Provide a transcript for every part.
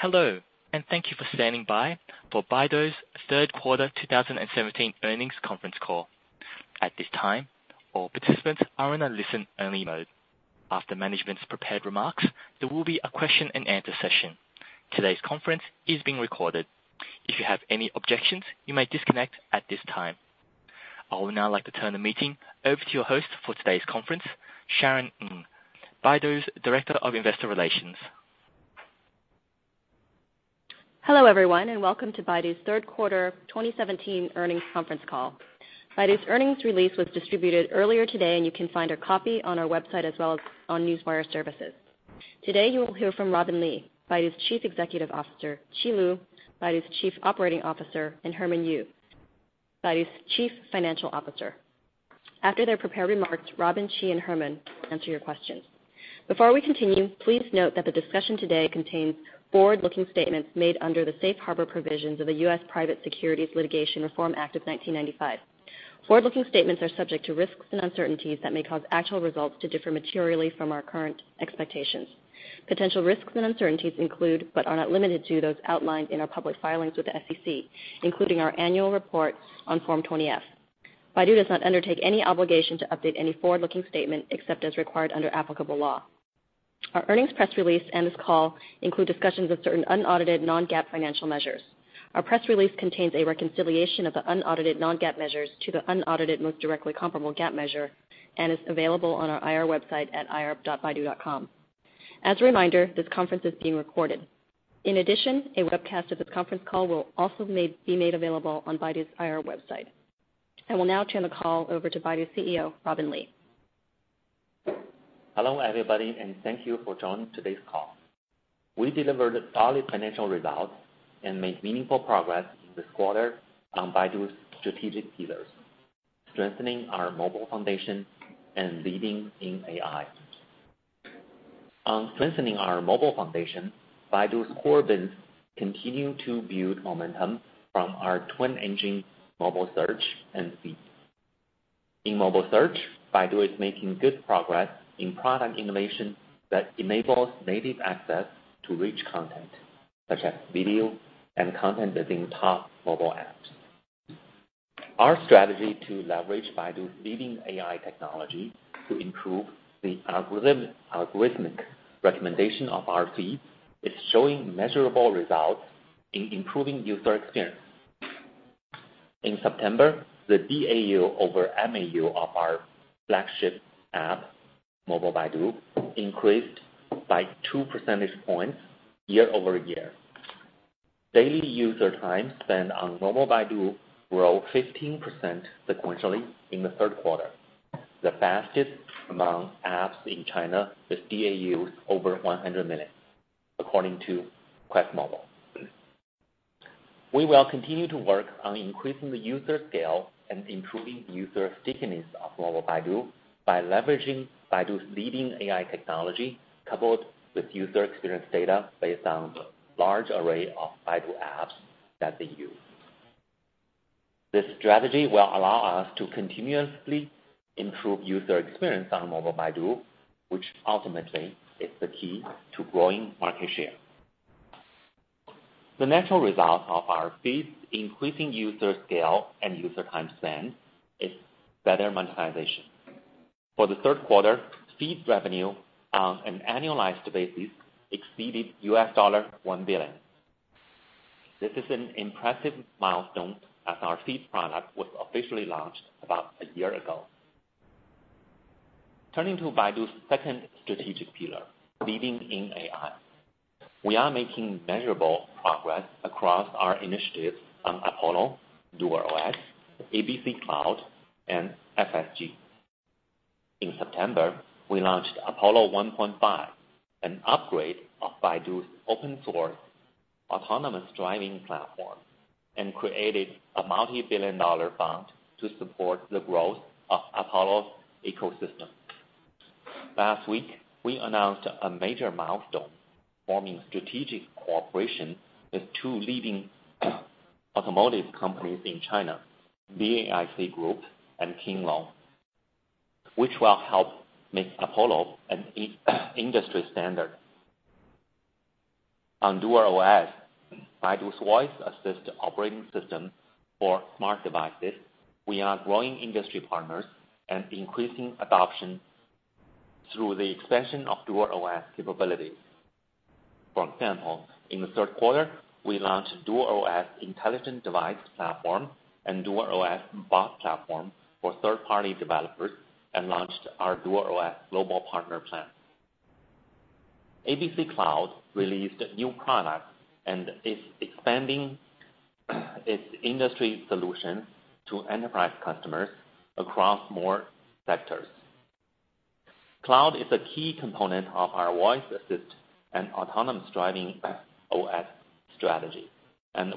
Hello, and thank you for standing by for Baidu's third quarter 2017 earnings conference call. At this time, all participants are in a listen-only mode. After management's prepared remarks, there will be a question-and-answer session. Today's conference is being recorded. If you have any objections, you may disconnect at this time. I would now like to turn the meeting over to your host for today's conference, Sharon Ng, Baidu's Director of Investor Relations. Hello, everyone, and welcome to Baidu's third quarter 2017 earnings conference call. Baidu's earnings release was distributed earlier today, and you can find a copy on our website as well as on Newswire services. Today you will hear from Robin Li, Baidu's Chief Executive Officer, Qi Lu, Baidu's Chief Operating Officer, and Herman Yu, Baidu's Chief Financial Officer. After their prepared remarks, Robin, Qi, and Herman will answer your questions. Before we continue, please note that the discussion today contains forward-looking statements made under the Safe Harbor provisions of the U.S. Private Securities Litigation Reform Act of 1995. Forward-looking statements are subject to risks and uncertainties that may cause actual results to differ materially from our current expectations. Potential risks and uncertainties include, but are not limited to, those outlined in our public filings with the SEC, including our annual report on Form 20-F. Baidu does not undertake any obligation to update any forward-looking statement except as required under applicable law. Our earnings press release and this call include discussions of certain unaudited non-GAAP financial measures. Our press release contains a reconciliation of the unaudited non-GAAP measures to the unaudited most directly comparable GAAP measure and is available on our IR website at ir.baidu.com. As a reminder, this conference is being recorded. In addition, a webcast of this conference call will also be made available on Baidu's IR website. I will now turn the call over to Baidu CEO, Robin Li. Hello, everybody, and thank you for joining today's call. We delivered solid financial results and made meaningful progress in this quarter on Baidu's strategic pillars, strengthening our mobile foundation and leading in AI. On strengthening our mobile foundation, Baidu's core business continue to build momentum from our twin engine mobile search and feed. In mobile search, Baidu is making good progress in product innovation that enables native access to rich content such as video and content within top mobile apps. Our strategy to leverage Baidu's leading AI technology to improve the algorithmic recommendation of our feed is showing measurable results in improving user experience. In September, the DAU over MAU of our flagship app, Baidu App, increased by two percentage points year-over-year. Daily user time spent on Mobile Baidu grew 15% sequentially in the third quarter, the fastest among apps in China with DAUs over 100 minutes, according to QuestMobile. We will continue to work on increasing the user scale and improving user stickiness of Mobile Baidu by leveraging Baidu's leading AI technology coupled with user experience data based on the large array of Baidu apps that they use. This strategy will allow us to continuously improve user experience on Mobile Baidu, which ultimately is the key to growing market share. The natural result of our feeds increasing user scale and user time spent is better monetization. For the third quarter, feed revenue on an annualized basis exceeded $1 billion. This is an impressive milestone as our Feed product was officially launched about a year ago. Turning to Baidu's second strategic pillar, leading in AI. We are making measurable progress across our initiatives on Apollo, DuerOS, ABC Cloud, and FSG. In September, we launched Apollo 1.5, an upgrade of Baidu's open-source autonomous driving platform, and created a multi-billion dollar fund to support the growth of Apollo's ecosystem. Last week, we announced a major milestone, forming strategic cooperation with two leading automotive companies in China, BAIC Group and King Long, which will help make Apollo an industry standard. On DuerOS, Baidu's voice-assisted operating system for smart devices, we are growing industry partners and increasing adoption through the expansion of DuerOS capabilities. For example, in the third quarter, we launched DuerOS intelligent device platform and DuerOS Bot Platform for third-party developers and launched our DuerOS global partner plan. ABC Cloud released new products and is expanding its industry solution to enterprise customers across more sectors. Cloud is a key component of our voice-assisted and autonomous driving OS strategy.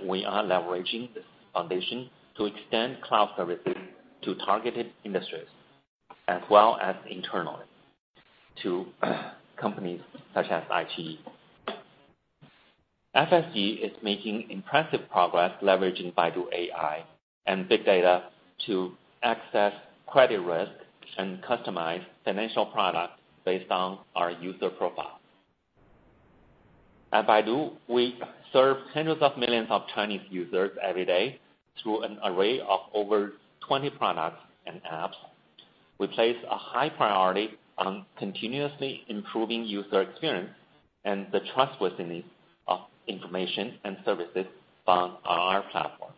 We are leveraging this foundation to extend cloud services to targeted industries as well as internally to companies such as iQIYI. FSG is making impressive progress leveraging Baidu AI and big data to access credit risk and customize financial products based on our user profile. At Baidu, we serve hundreds of millions of Chinese users every day through an array of over 20 products and apps. We place a high priority on continuously improving user experience and the trustworthiness of information and services found on our platform.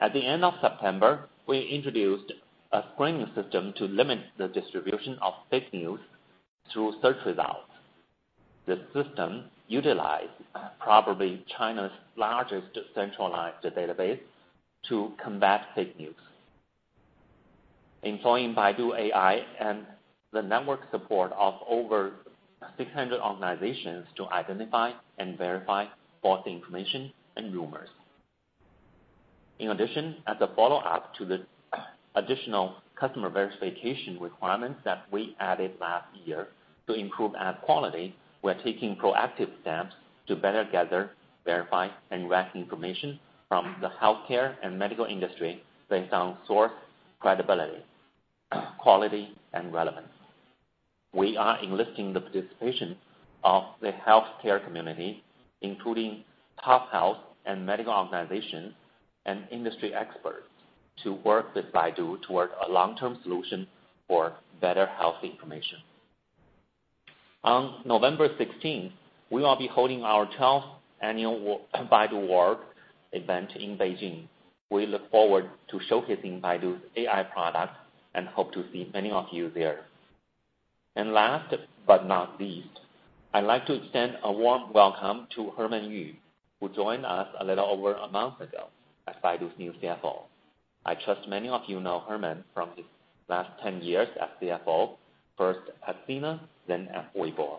At the end of September, we introduced a screening system to limit the distribution of fake news through search results. The system utilizes probably China's largest centralized database to combat fake news. Employing Baidu AI and the network support of over 600 organizations to identify and verify false information and rumors. In addition, as a follow-up to the additional customer verification requirements that we added last year to improve ad quality, we are taking proactive steps to better gather, verify, and rank information from the healthcare and medical industry based on source credibility, quality, and relevance. We are enlisting the participation of the healthcare community, including top health and medical organizations and industry experts, to work with Baidu toward a long-term solution for better health information. On November 16th, we will be holding our 12th annual Baidu World event in Beijing. We look forward to showcasing Baidu's AI products and hope to see many of you there. Last but not least, I'd like to extend a warm welcome to Herman Yu, who joined us a little over a month ago as Baidu's new CFO. I trust many of you know Herman from his last 10 years as CFO, first at Sina, then at Weibo.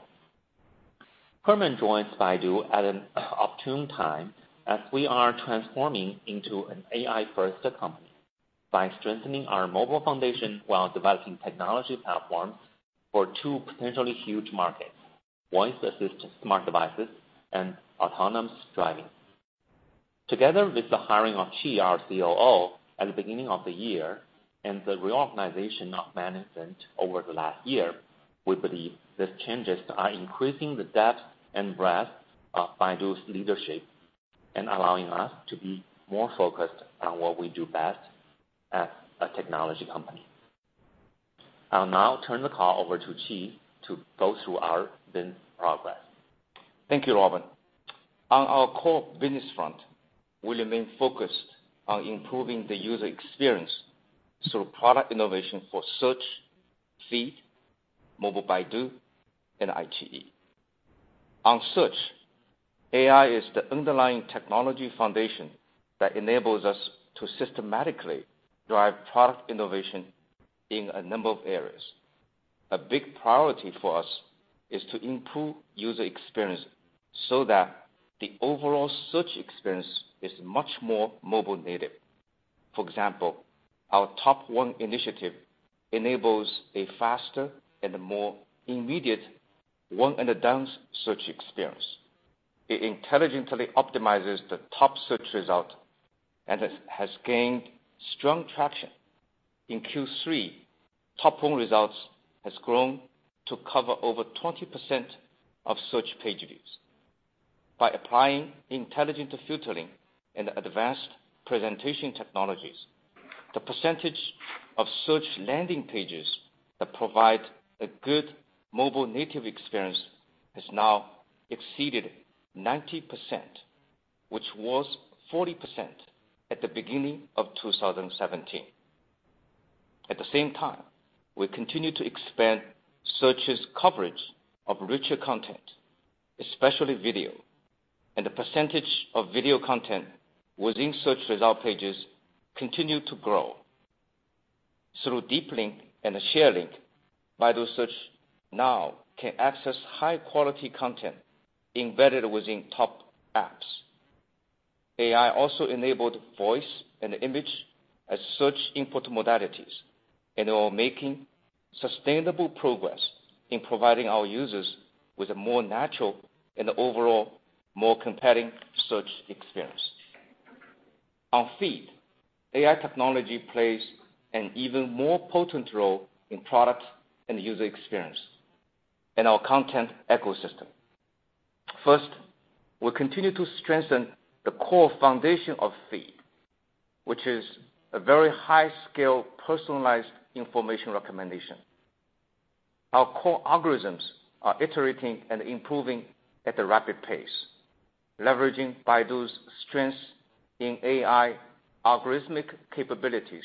Herman joins Baidu at an opportune time as we are transforming into an AI-first company by strengthening our mobile foundation while developing technology platforms for two potentially huge markets, voice-assisted smart devices and autonomous driving. Together with the hiring of Qi, our COO, at the beginning of the year, and the reorganization of management over the last year, we believe these changes are increasing the depth and breadth of Baidu's leadership and allowing us to be more focused on what we do best as a technology company. I'll now turn the call over to Qi to go through our business progress. Thank you, Robin. On our core business front, we remain focused on improving the user experience through product innovation for Search, Feed, Mobile Baidu, and IGE. AI is the underlying technology foundation that enables us to systematically drive product innovation in a number of areas. A big priority for us is to improve user experience so that the overall search experience is much more mobile-native. For example, our Top One initiative enables a faster and more immediate one-and-done search experience. It intelligently optimizes the top search result, and it has gained strong traction. In Q3, Top One results has grown to cover over 20% of Search page views. By applying intelligent filtering and advanced presentation technologies, the percentage of Search landing pages that provide a good mobile native experience has now exceeded 90%, which was 40% at the beginning of 2017. At the same time, we continue to expand Search's coverage of richer content, especially video, and the percentage of video content within Search result pages continue to grow. Through deep link and share link, Baidu Search now can access high-quality content embedded within top apps. AI also enabled voice and image as search input modalities and are making sustainable progress in providing our users with a more natural and overall more compelling search experience. Feed, AI technology plays an even more potent role in product and user experience and our content ecosystem. First, we continue to strengthen the core foundation of Feed, which is a very high scale personalized information recommendation. Our core algorithms are iterating and improving at a rapid pace, leveraging Baidu's strengths in AI algorithmic capabilities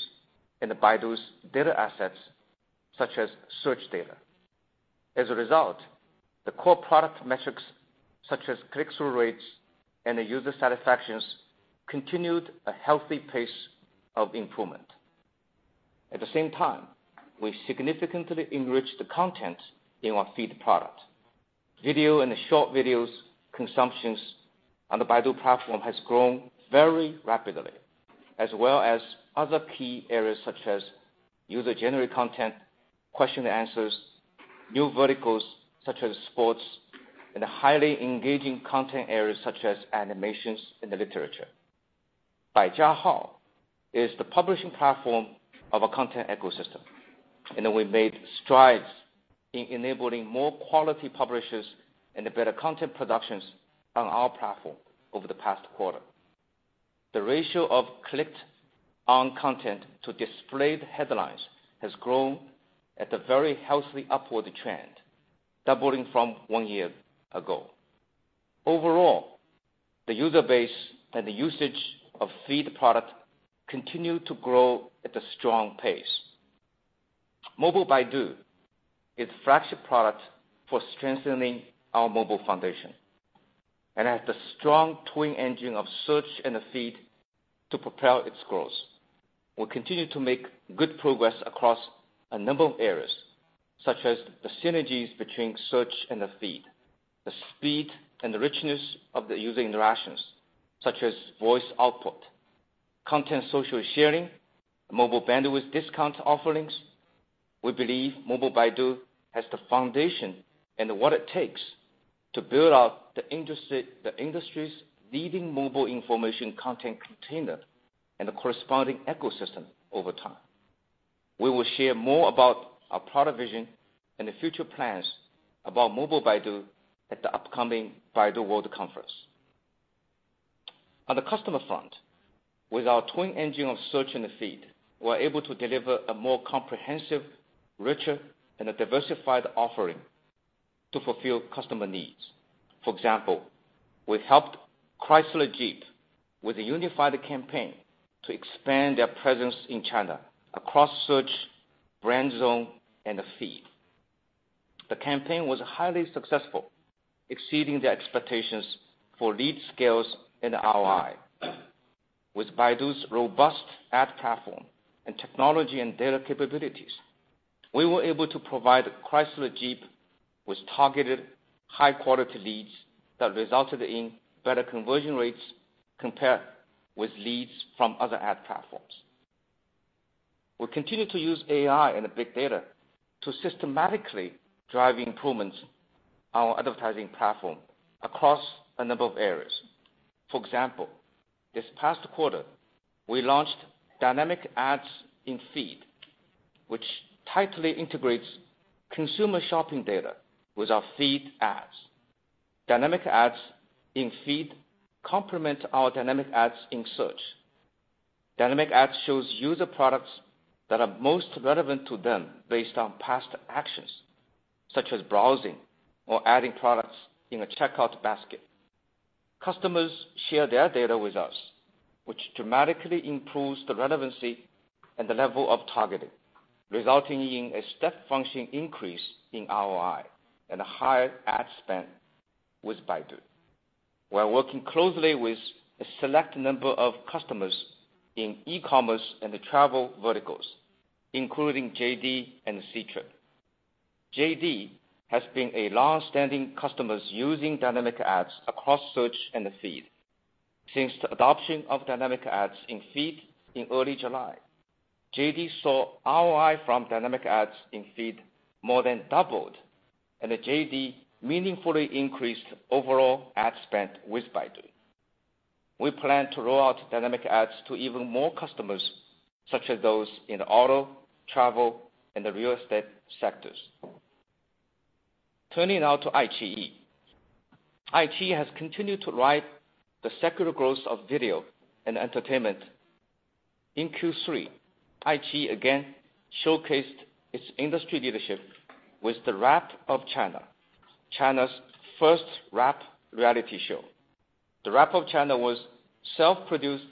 and Baidu's data assets such as search data. As a result, the core product metrics such as click-through rates and user satisfactions continued a healthy pace of improvement. At the same time, we significantly enriched the content in our Feed product. Video and short videos consumptions on the Baidu platform has grown very rapidly, as well as other key areas such as user-generated content, question and answers, new verticals such as sports, and highly engaging content areas such as animations and literature. Baijiahao is the publishing platform of a content ecosystem. We made strides in enabling more quality publishers and the better content productions on our platform over the past quarter. The ratio of clicked on content to displayed headlines has grown at a very healthy upward trend, doubling from one year ago. Overall, the user base and the usage of Feed product continue to grow at a strong pace. Mobile Baidu is the flagship product for strengthening our mobile foundation and has the strong twin engine of search and the feed to propel its growth. We continue to make good progress across a number of areas, such as the synergies between search and the feed, the speed and the richness of the user interactions, such as voice output, content social sharing, mobile bandwidth discount offerings. We believe Mobile Baidu has the foundation and what it takes to build out the industry's leading mobile information content container and the corresponding ecosystem over time. We will share more about our product vision and the future plans about Mobile Baidu at the upcoming Baidu World Conference. On the customer front, with our twin engine of search and the feed, we're able to deliver a more comprehensive, richer, and a diversified offering to fulfill customer needs. For example, we helped Chrysler Jeep with a unified campaign to expand their presence in China across search, Brand Zone, and the feed. The campaign was highly successful, exceeding the expectations for lead scales and ROI. With Baidu's robust ad platform and technology and data capabilities, we were able to provide Chrysler Jeep with targeted high-quality leads that resulted in better conversion rates compared with leads from other ad platforms. We continue to use AI and big data to systematically drive improvements on our advertising platform across a number of areas. For example, this past quarter, we launched dynamic ads in feed, which tightly integrates consumer shopping data with our feed ads. Dynamic ads in feed complement our dynamic ads in search. Dynamic ads show user products that are most relevant to them based on past actions, such as browsing or adding products in a checkout basket. Customers share their data with us, which dramatically improves the relevancy and the level of targeting, resulting in a step function increase in ROI and a higher ad spend with Baidu. We're working closely with a select number of customers in e-commerce and the travel verticals, including JD and Ctrip. JD has been a longstanding customer using dynamic ads across search and the feed. Since the adoption of dynamic ads in feed in early July, JD saw ROI from dynamic ads in feed more than doubled, and JD meaningfully increased overall ad spend with Baidu. We plan to roll out dynamic ads to even more customers, such as those in auto, travel, and the real estate sectors. Turning now to iQIYI. iQIYI has continued to ride the secular growth of video and entertainment. In Q3, iQIYI again showcased its industry leadership with The Rap of China's first rap reality show. The Rap of China was self-produced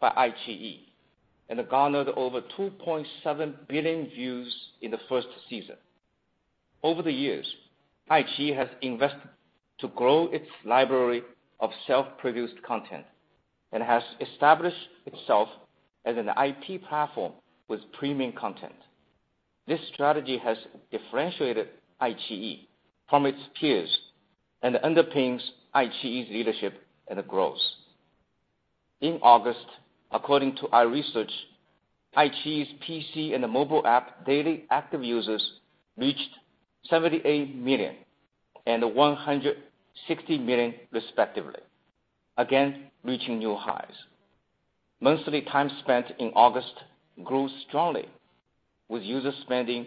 by iQIYI and garnered over 2.7 billion views in the first season. Over the years, iQIYI has invested to grow its library of self-produced content and has established itself as an IP platform with premium content. This strategy has differentiated iQIYI from its peers and underpins iQIYI's leadership and growth. In August, according to our research, iQIYI's PC and mobile app daily active users reached 78 million and 160 million respectively. Again, reaching new highs. Monthly time spent in August grew strongly, with users spending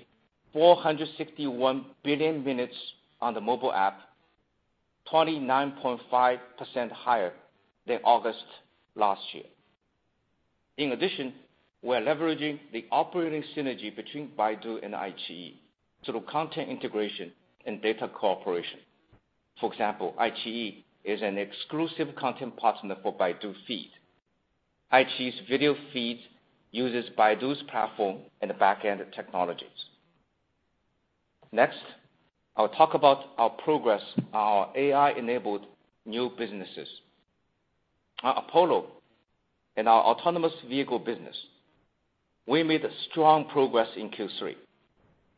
461 billion minutes on the mobile app, 29.5% higher than August last year. In addition, we are leveraging the operating synergy between Baidu and iQIYI through content integration and data cooperation. For example, iQIYI is an exclusive content partner for Baidu Feed. iQIYI's video feed uses Baidu's platform and the back-end technologies. Next, I'll talk about our progress on our AI-enabled new businesses. Our Apollo and our autonomous vehicle business. We made strong progress in Q3.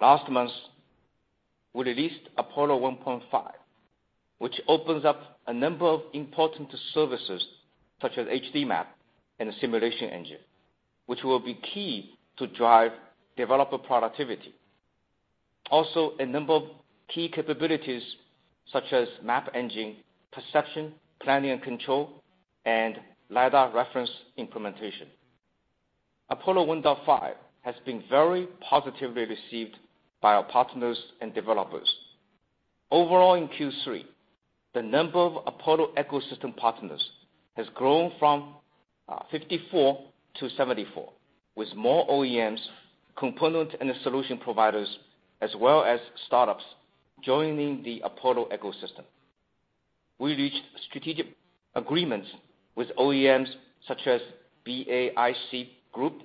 Last month, we released Apollo 1.5, which opens up a number of important services such as HD map and a simulation engine, which will be key to drive developer productivity. A number of key capabilities, such as map engine, perception, planning and control, and lidar reference implementation. Apollo 1.5 has been very positively received by our partners and developers. Overall, in Q3, the number of Apollo ecosystem partners has grown from 54 to 74, with more OEMs, component and solution providers, as well as startups joining the Apollo ecosystem. We reached strategic agreements with OEMs such as BAIC Group,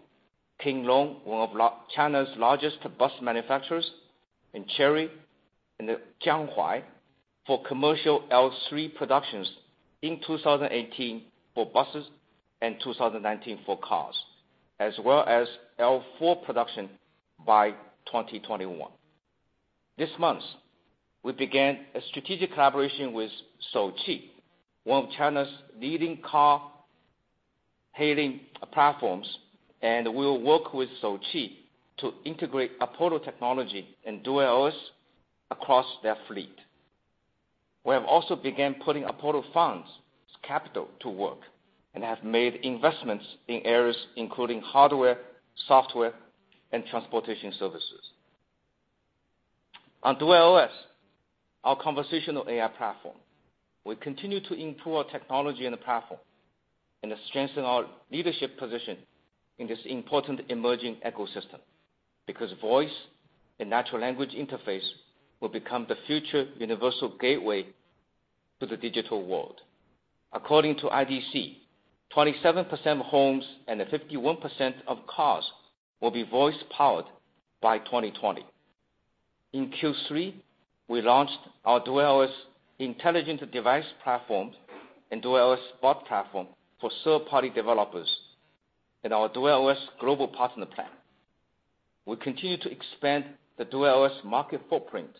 King Long, one of China's largest bus manufacturers, and Chery, and Jianghuai, for commercial L3 productions in 2018 for buses and 2019 for cars, as well as L4 production by 2021. This month, we began a strategic collaboration with Shouqi, one of China's leading car-hailing platforms, and we will work with Shouqi to integrate Apollo technology and DuerOS across their fleet. We have also began putting Apollo funds capital to work, and have made investments in areas including hardware, software, and transportation services. On DuerOS, our conversational AI platform, we continue to improve our technology and the platform and strengthen our leadership position in this important emerging ecosystem because voice and natural language interface will become the future universal gateway to the digital world. According to IDC, 27% of homes and 51% of cars will be voice-powered by 2020. In Q3, we launched our DuerOS intelligent device platform and DuerOS Bot Platform for third-party developers and our DuerOS global partner plan. We continue to expand the DuerOS market footprint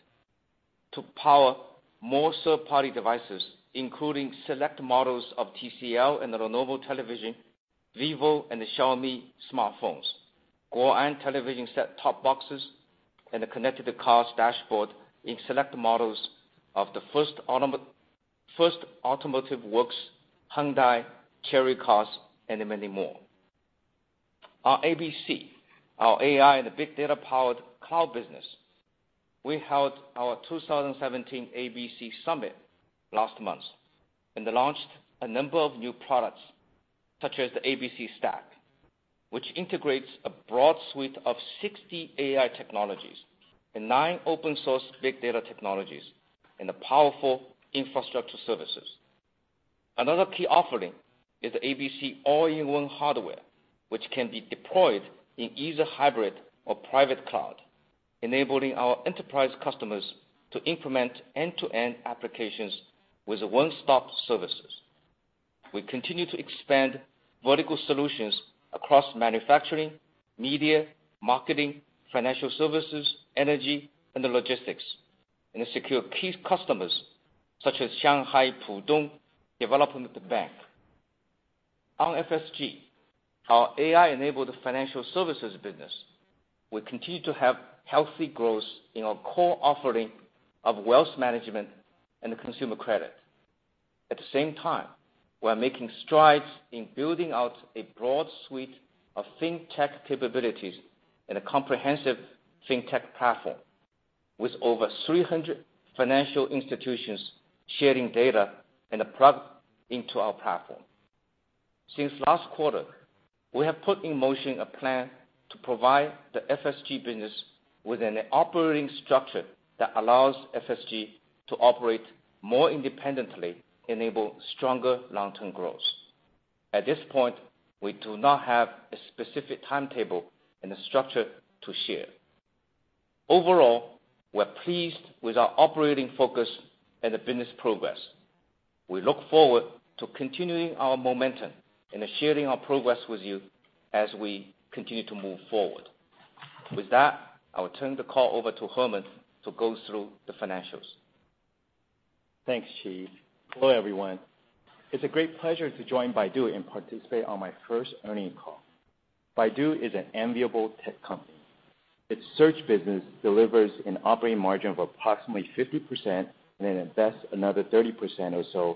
to power more third-party devices, including select models of TCL and Lenovo television, Vivo and Xiaomi smartphones, Goertek and television set top boxes, and connected cars dashboard in select models of the First Automotive Works, Hyundai, Chery cars, and many more. Our ABC, our AI and big data powered cloud business, we held our 2017 ABC summit last month and launched a number of new products such as the ABC Stack, which integrates a broad suite of 60 AI technologies and nine open source big data technologies and powerful infrastructure services. Another key offering is ABC all-in-one hardware, which can be deployed in either hybrid or private cloud, enabling our enterprise customers to implement end-to-end applications with one-stop services. We continue to expand vertical solutions across manufacturing, media, marketing, financial services, energy, and logistics, and secure key customers such as Shanghai Pudong Development Bank. On FSG, our AI-enabled financial services business, we continue to have healthy growth in our core offering of wealth management and consumer credit. At the same time, we're making strides in building out a broad suite of fintech capabilities and a comprehensive fintech platform, with over 300 financial institutions sharing data and product into our platform. Since last quarter, we have put in motion a plan to provide the FSG business with an operating structure that allows FSG to operate more independently, enable stronger long-term growth. At this point, we do not have a specific timetable and a structure to share. Overall, we're pleased with our operating focus and the business progress. We look forward to continuing our momentum and sharing our progress with you as we continue to move forward. With that, I will turn the call over to Herman to go through the financials. Thanks, Qi. Hello, everyone. It's a great pleasure to join Baidu and participate on my first earning call. Baidu is an enviable tech company. Its search business delivers an operating margin of approximately 50%, then invests another 30%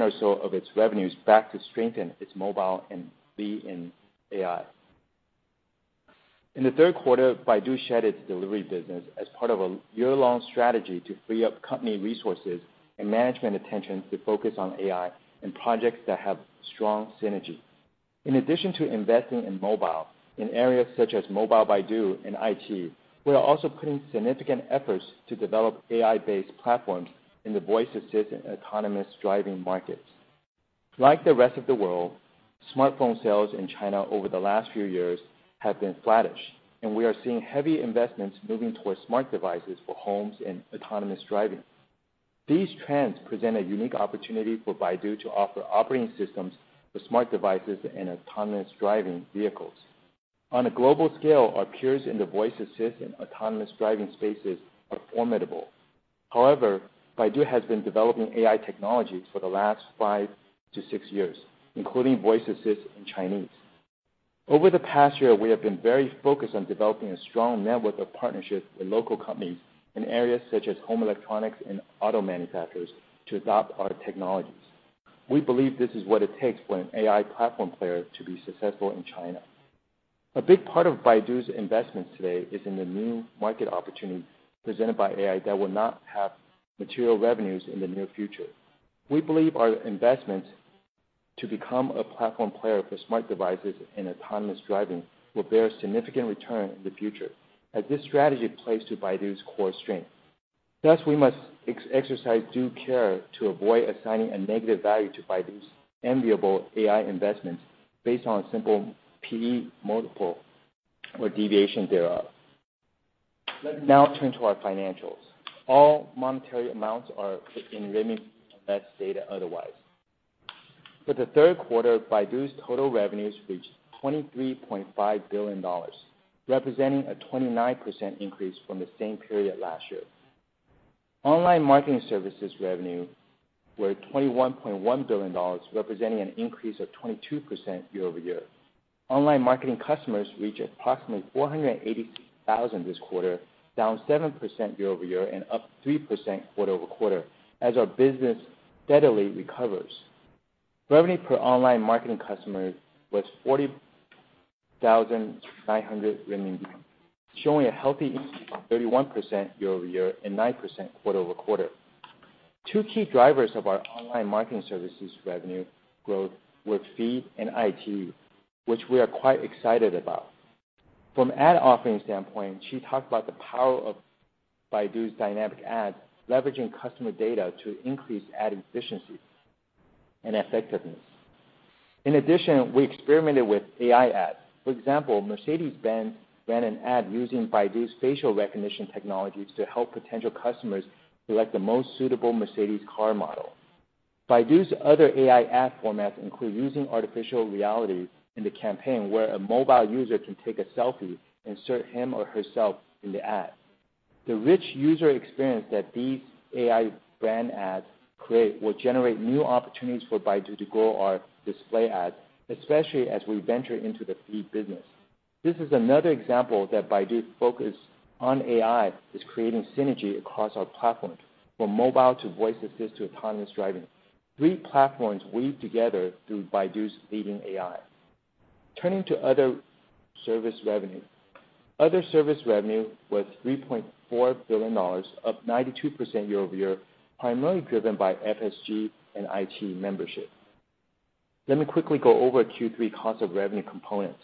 or so of its revenues back to strengthen its mobile and be in AI. In the third quarter, Baidu shed its delivery business as part of a year-long strategy to free up company resources and management attention to focus on AI and projects that have strong synergy. In addition to investing in mobile in areas such as Mobile Baidu and iQIYI, we are also putting significant efforts to develop AI-based platforms in the voice assistant autonomous driving markets. Like the rest of the world, smartphone sales in China over the last few years have been flattish. We are seeing heavy investments moving towards smart devices for homes and autonomous driving. These trends present a unique opportunity for Baidu to offer operating systems for smart devices and autonomous driving vehicles. On a global scale, our peers in the voice assist and autonomous driving spaces are formidable. Baidu has been developing AI technology for the last five to six years, including voice assist in Chinese. Over the past year, we have been very focused on developing a strong network of partnerships with local companies in areas such as home electronics and auto manufacturers to adopt our technologies. We believe this is what it takes for an AI platform player to be successful in China. A big part of Baidu's investments today is in the new market opportunity presented by AI that will not have material revenues in the near future. We believe our investments to become a platform player for smart devices and autonomous driving will bear significant return in the future, as this strategy plays to Baidu's core strength. We must exercise due care to avoid assigning a negative value to Baidu's enviable AI investments based on simple PE multiple or deviation thereof. Let me now turn to our financials. All monetary amounts are in renminbi unless stated otherwise. For the third quarter, Baidu's total revenues reached RMB 23.5 billion, representing a 29% increase from the same period last year. Online marketing services revenue were RMB 21.1 billion, representing an increase of 22% year-over-year. Online marketing customers reached approximately 480,000 this quarter, down 7% year-over-year and up 3% quarter-over-quarter, as our business steadily recovers. Revenue per online marketing customer was 40,900 renminbi, showing a healthy increase of 31% year-over-year and 9% quarter-over-quarter. Two key drivers of our online marketing services revenue growth were feed and iQIYI, which we are quite excited about. From ad offering standpoint, Qi talked about the power of Baidu's dynamic ads leveraging customer data to increase ad efficiency and effectiveness. In addition, we experimented with AI ads. For example, Mercedes-Benz ran an ad using Baidu's facial recognition technologies to help potential customers select the most suitable Mercedes car model. Baidu's other AI ad formats include using artificial reality in the campaign where a mobile user can take a selfie, insert him or herself in the ad. The rich user experience that these AI brand ads create will generate new opportunities for Baidu to grow our display ads, especially as we venture into the feed business. This is another example that Baidu's focus on AI is creating synergy across our platforms, from mobile to voice assist to autonomous driving. Three platforms weaved together through Baidu's leading AI. Turning to other service revenue. Other service revenue was RMB 3.4 billion, up 92% year-over-year, primarily driven by FSG and iQIYI membership. Let me quickly go over Q3 cost of revenue components.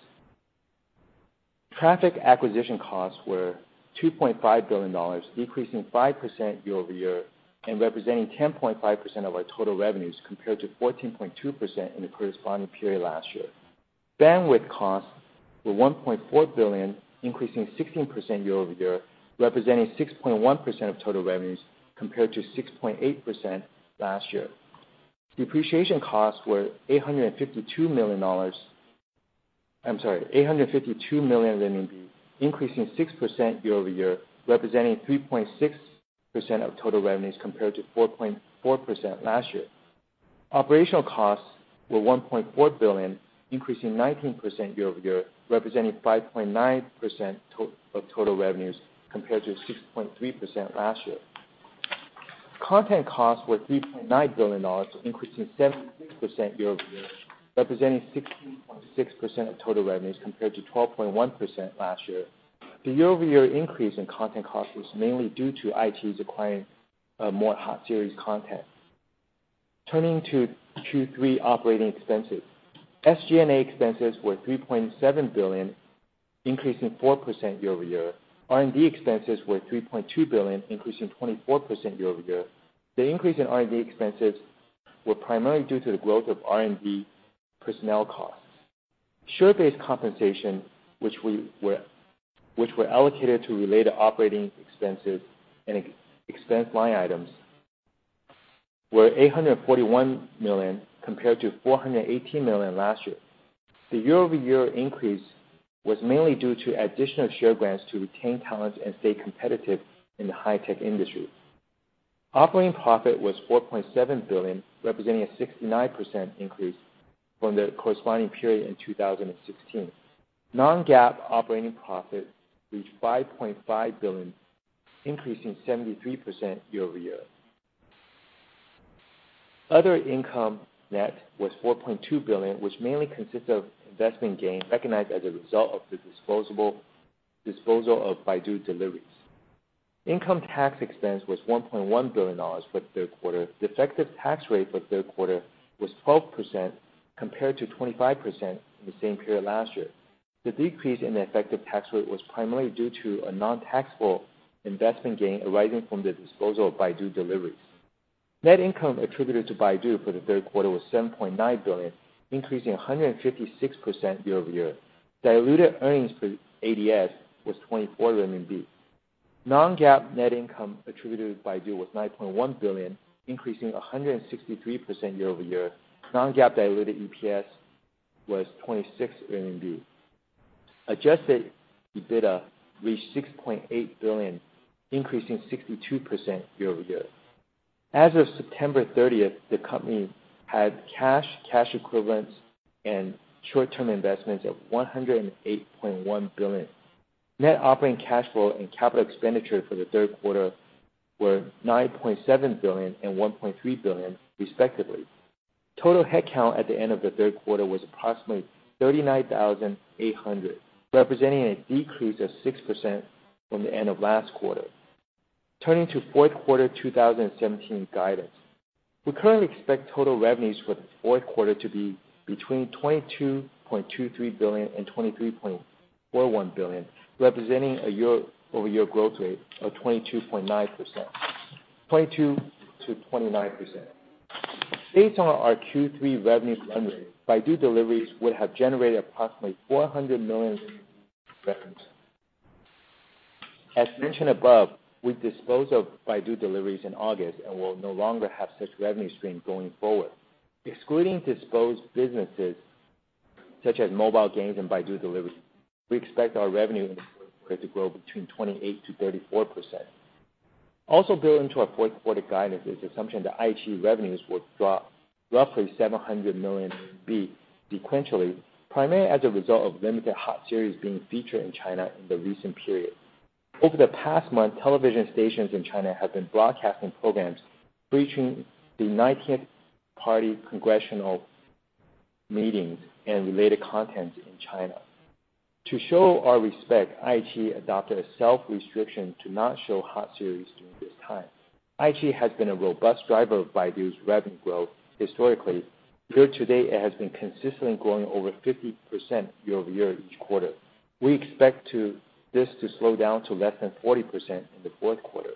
Traffic acquisition costs were RMB 2.5 billion, decreasing 5% year-over-year and representing 10.5% of our total revenues compared to 14.2% in the corresponding period last year. Bandwidth costs were 1.4 billion, increasing 16% year-over-year, representing 6.1% of total revenues compared to 6.8% last year. Depreciation costs were RMB 852 million, increasing 6% year-over-year, representing 3.6% of total revenues compared to 4.4% last year. Operational costs were 1.4 billion, increasing 19% year-over-year, representing 5.9% of total revenues compared to 6.3% last year. Content costs were RMB 3.9 billion, increasing 7% year-over-year, representing 16.6% of total revenues compared to 12.1% last year. The year-over-year increase in content cost was mainly due to iQIYI's acquiring of more hot series content. Turning to Q3 operating expenses. SG&A expenses were 3.7 billion, increasing 4% year-over-year. R&D expenses were 3.2 billion, increasing 24% year-over-year. The increase in R&D expenses were primarily due to the growth of R&D personnel costs. Share-based compensation, which were allocated to related operating expenses and expense line items were 841 million compared to 418 million last year. The year-over-year increase was mainly due to additional share grants to retain talent and stay competitive in the high-tech industry. Operating profit was 4.7 billion, representing a 69% increase from the corresponding period in 2016. Non-GAAP operating profit reached 5.5 billion, increasing 73% year-over-year. Other income net was 4.2 billion, which mainly consists of investment gain recognized as a result of the disposal of Baidu Delivery. Income tax expense was RMB 1.1 billion for the third quarter. The effective tax rate for third quarter was 12% compared to 25% in the same period last year. The decrease in the effective tax rate was primarily due to a non-taxable investment gain arising from the disposal of Baidu Delivery. Net income attributed to Baidu for the third quarter was 7.9 billion, increasing 156% year-over-year. Diluted earnings per ADS was 24 RMB. Non-GAAP net income attributed by Baidu was 9.1 billion, increasing 163% year-over-year. Non-GAAP diluted EPS was 26 RMB. Adjusted EBITDA reached 6.8 billion, increasing 62% year-over-year. As of September 30th, the company had cash equivalents, and short-term investments of 108.1 billion. Net operating cash flow and capital expenditure for the third quarter were 9.7 billion and 1.3 billion respectively. Total headcount at the end of the third quarter was approximately 39,800, representing a decrease of 6% from the end of last quarter. Turning to fourth quarter 2017 guidance. We currently expect total revenues for the fourth quarter to be between 22.23 billion and 23.41 billion, representing a year-over-year growth rate of 22.9%, 22%-29%. Based on our Q3 revenue run rate, Baidu Delivery would have generated approximately 400 million in revenues. As mentioned above, we disposed of Baidu Delivery in August and will no longer have such revenue stream going forward. Excluding disposed businesses such as mobile games and Baidu Delivery, we expect our revenue in the fourth quarter to grow between 28%-34%. Also built into our fourth quarter guidance is the assumption that iQIYI revenues will drop roughly 700 million sequentially, primarily as a result of limited hot series being featured in China in the recent period. Over the past month, television stations in China have been broadcasting programs featuring the 19th Party Congress meetings and related content in China. To show our respect, iQIYI adopted a self-restriction to not show hot series during this time. iQIYI has been a robust driver of Baidu's revenue growth historically. Year-to-date, it has been consistently growing over 50% year-over-year each quarter. We expect this to slow down to less than 40% in the fourth quarter.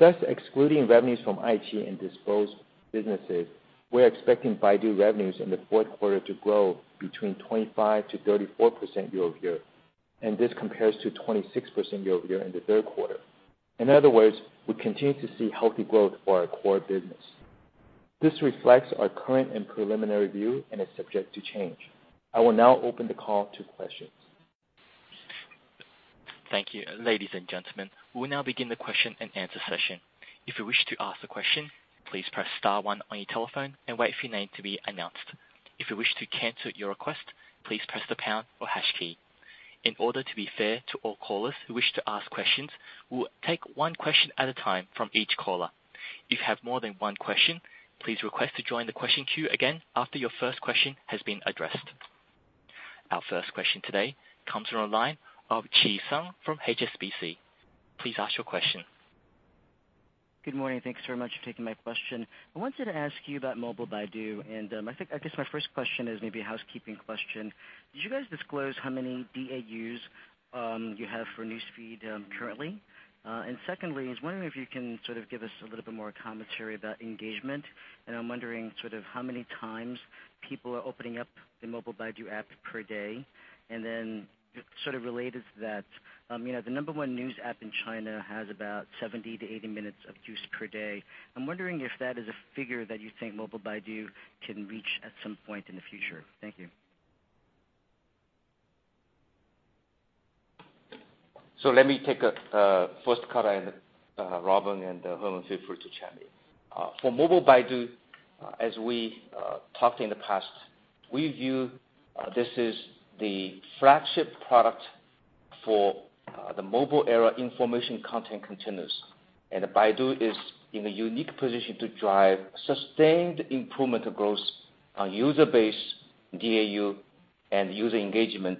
Excluding revenues from iQIYI and disposed businesses, we're expecting Baidu revenues in the fourth quarter to grow between 25%-34% year-over-year, and this compares to 26% year-over-year in the third quarter. In other words, we continue to see healthy growth for our core business. This reflects our current and preliminary view and is subject to change. I will now open the call to questions. Thank you. Ladies and gentlemen, we will now begin the question and answer session. If you wish to ask a question, please press *1 on your telephone and wait for your name to be announced. If you wish to cancel your request, please press the pound or hash key. In order to be fair to all callers who wish to ask questions, we'll take one question at a time from each caller. If you have more than one question, please request to join the question queue again after your first question has been addressed. Our first question today comes from the line of Chi Tsang from HSBC. Please ask your question. Good morning. Thanks very much for taking my question. I wanted to ask you about Baidu App. I guess my first question is maybe a housekeeping question. Did you guys disclose how many DAUs you have for News Feed currently? Secondly, I was wondering if you can sort of give us a little bit more commentary about engagement. I'm wondering sort of how many times people are opening up the Baidu App per day. Then sort of related to that, the number one news app in China has about 70-80 minutes of use per day. I'm wondering if that is a figure that you think Baidu App can reach at some point in the future. Thank you. Let me take the first cut at it, Robin and Herman feel free to chime in. For Baidu App, as we talked in the past, we view this as the flagship product for the mobile era information content containers. Baidu is in a unique position to drive sustained improvement of growth on user base DAU and user engagement,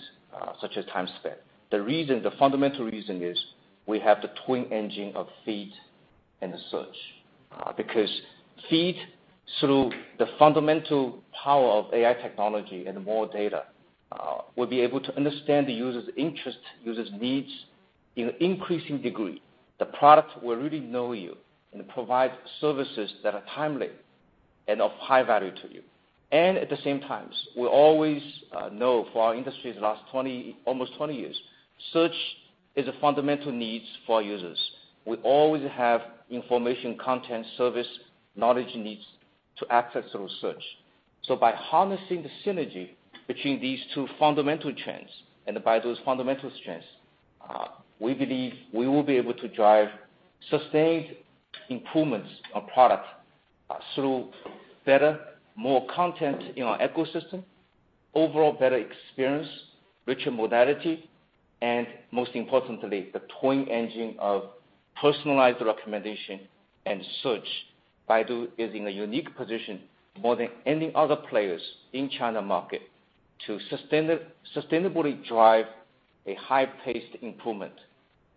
such as time spent. The fundamental reason is we have the twin engine of feed and search. Feed, through the fundamental power of AI technology and more data, will be able to understand the user's interests, user's needs in increasing degree. The product will really know you and provide services that are timely and of high value to you. At the same time, we always know for our industry's last almost 20 years, search is a fundamental need for our users. We always have information content service knowledge needs to access through search. By harnessing the synergy between these two fundamental trends and by those fundamental strengths, we believe we will be able to drive sustained improvements of product through better, more content in our ecosystem, overall better experience, richer modality, and most importantly, the twin engine of personalized recommendation and search. Baidu is in a unique position more than any other players in China market to sustainably drive a high-paced improvement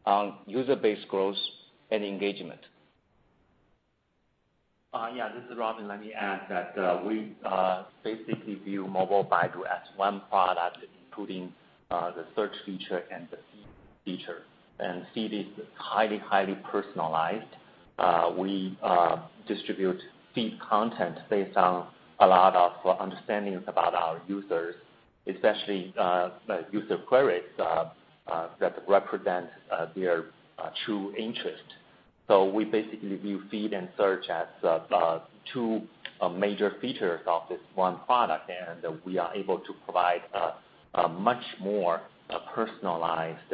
on user base growth and engagement. Yeah, this is Robin. Let me add that we basically view Baidu App as one product, including the search feature and the feed feature. Feed is highly personalized. We distribute feed content based on a lot of understandings about our users Especially user queries that represent their true interest. We basically view feed and search as two major features of this one product, and we are able to provide a much more personalized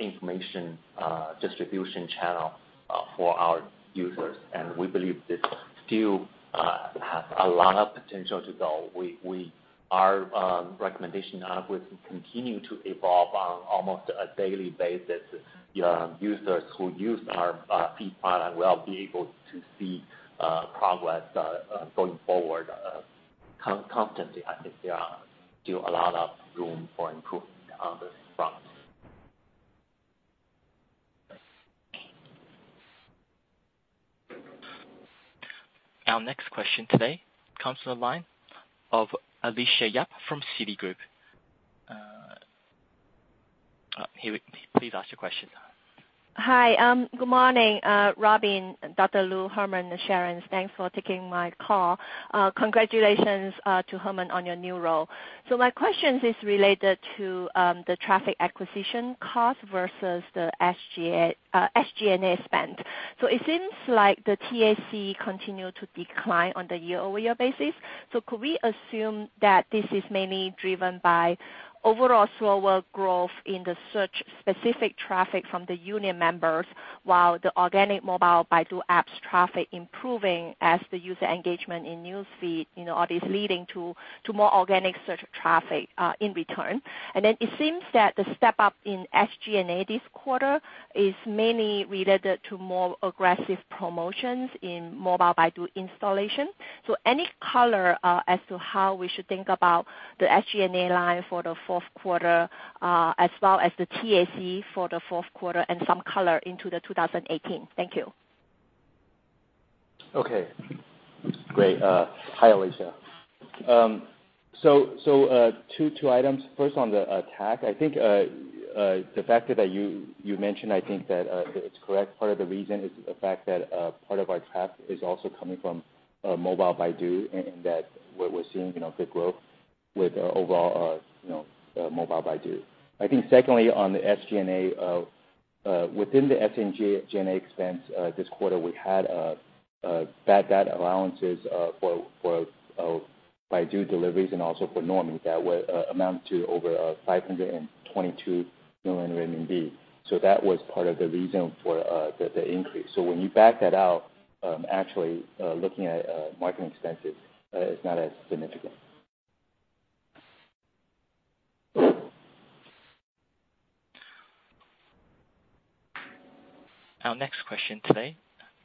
information distribution channel for our users. We believe this still has a lot of potential to go. Our recommendation algorithms continue to evolve on almost a daily basis. Users who use our feed product will be able to see progress going forward constantly. I think there are still a lot of room for improvement on this front. Our next question today comes from the line of Alicia Yap from Citigroup. Please ask your question. Hi. Good morning Robin, Dr. Lu, Herman, and Sharon. Thanks for taking my call. Congratulations to Herman on your new role. My question is related to the traffic acquisition cost versus the SG&A spend. It seems like the TAC continued to decline on the year-over-year basis. Could we assume that this is mainly driven by overall slower growth in the search specific traffic from the union members, while the organic mobile Baidu App traffic improving as the user engagement in Baidu Feed is leading to more organic search traffic in return? It seems that the step up in SG&A this quarter is mainly related to more aggressive promotions in Baidu App installation. Any color as to how we should think about the SG&A line for the fourth quarter as well as the TAC for the fourth quarter and some color into 2018? Thank you. Okay, great. Hi, Alicia. Two items. First on the TAC, I think the factor that you mentioned, I think that it's correct. Part of the reason is the fact that part of our TAC is also coming from Baidu App, and that we're seeing good growth with overall Baidu App. I think secondly, on the SG&A within the SG&A expense this quarter, we had bad debt allowances for Baidu Delivery and also for Nuomi that amount to over 522 million RMB. That was part of the reason for the increase. When you back that out, actually looking at marketing expenses is not as significant. Our next question today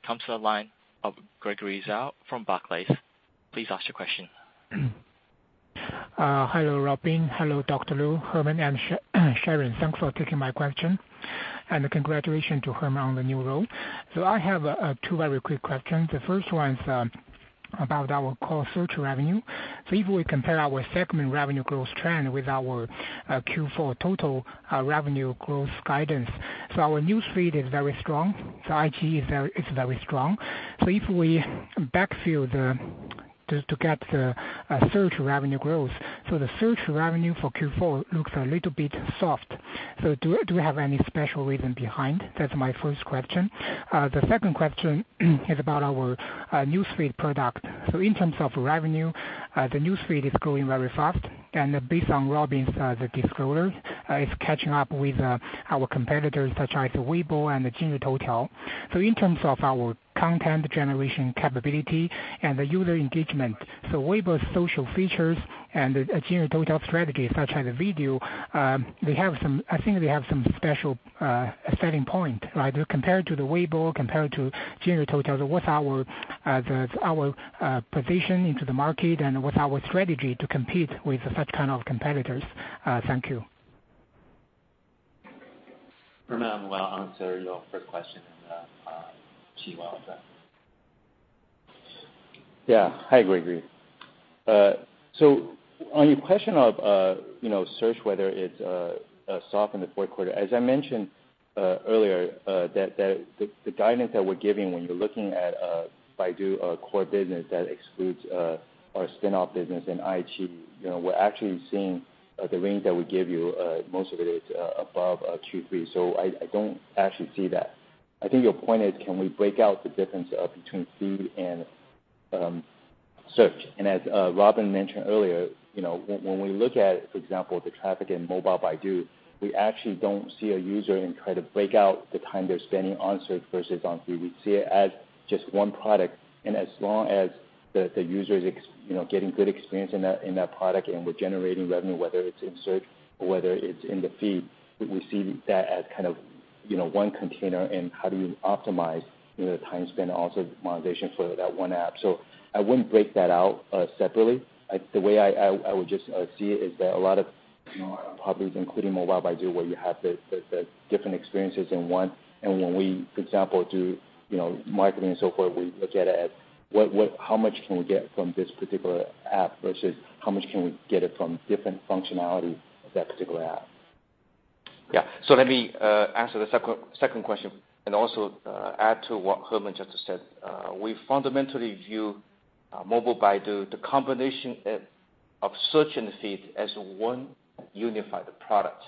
comes to the line of Gregory Zhao from Barclays. Please ask your question. Hello, Robin. Hello, Dr. Lu, Herman, and Sharon. Thanks for taking my question. Congratulations to Herman on the new role. I have two very quick questions. The first one is about our core search revenue. If we compare our segment revenue growth trend with our Q4 total revenue growth guidance. Our newsfeed is very strong. iQIYI is very strong. If we backfill to get the search revenue growth. The search revenue for Q4 looks a little bit soft. Do we have any special reason behind? That's my first question. The second question is about our newsfeed product. In terms of revenue, the newsfeed is growing very fast and based on Robin's disclosures, it's catching up with our competitors such as Weibo and Toutiao. In terms of our content generation capability and the user engagement, Weibo's social features and Toutiao strategies such as video, I think they have some special selling point. Compared to the Weibo, compared to Toutiao, what's our position into the market and what's our strategy to compete with such kind of competitors? Thank you. Herman will answer your first question, and Qi will answer. Hi, Gregory. On your question of search, whether it's soft in the fourth quarter, as I mentioned earlier that the guidance that we're giving when you're looking at Baidu core business that excludes our spin-off business and iQIYI, we're actually seeing the range that we give you, most of it is above Q3. I don't actually see that. I think your point is can we break out the difference between feed and search? As Robin mentioned earlier, when we look at, for example, the traffic in Baidu App, we actually don't see a user and try to break out the time they're spending on search versus on feed. We see it as just one product, as long as the user is getting good experience in that product and we're generating revenue, whether it's in search or whether it's in the feed, we see that as kind of one container and how do you optimize the time spent and also the monetization for that one app. I wouldn't break that out separately. The way I would just see it is that a lot of properties, including Baidu App, where you have the different experiences in one, when we, for example, do marketing and so forth, we look at it as how much can we get from this particular app versus how much can we get it from different functionality of that particular app Let me answer the second question, also add to what Herman said. We fundamentally view Baidu App, the combination of search and feed as one unified product,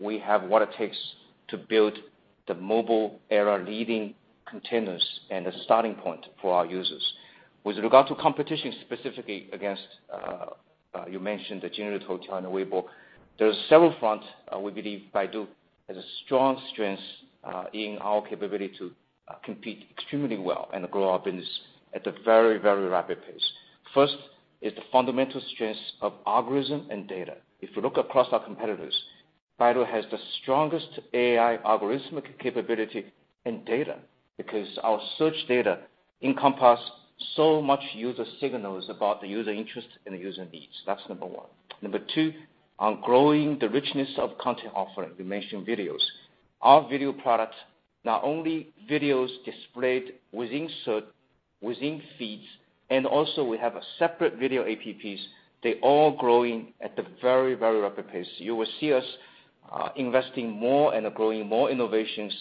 we have what it takes to build the mobile era leading containers and the starting point for our users. With regard to competition, specifically against, you mentioned Toutiao and Weibo. There are several fronts we believe Baidu has a strong strength in our capability to compete extremely well and grow up in this at a very rapid pace. First is the fundamental strengths of algorithm and data. If you look across our competitors, Baidu has the strongest AI algorithmic capability in data because our search data encompass so much user signals about the user interest and the user needs. That's number 1. Number 2, on growing the richness of content offering. We mentioned videos. Our video product, not only videos displayed within search, within feeds, also we have a separate video apps. They're all growing at a very rapid pace. You will see us investing more and growing more innovations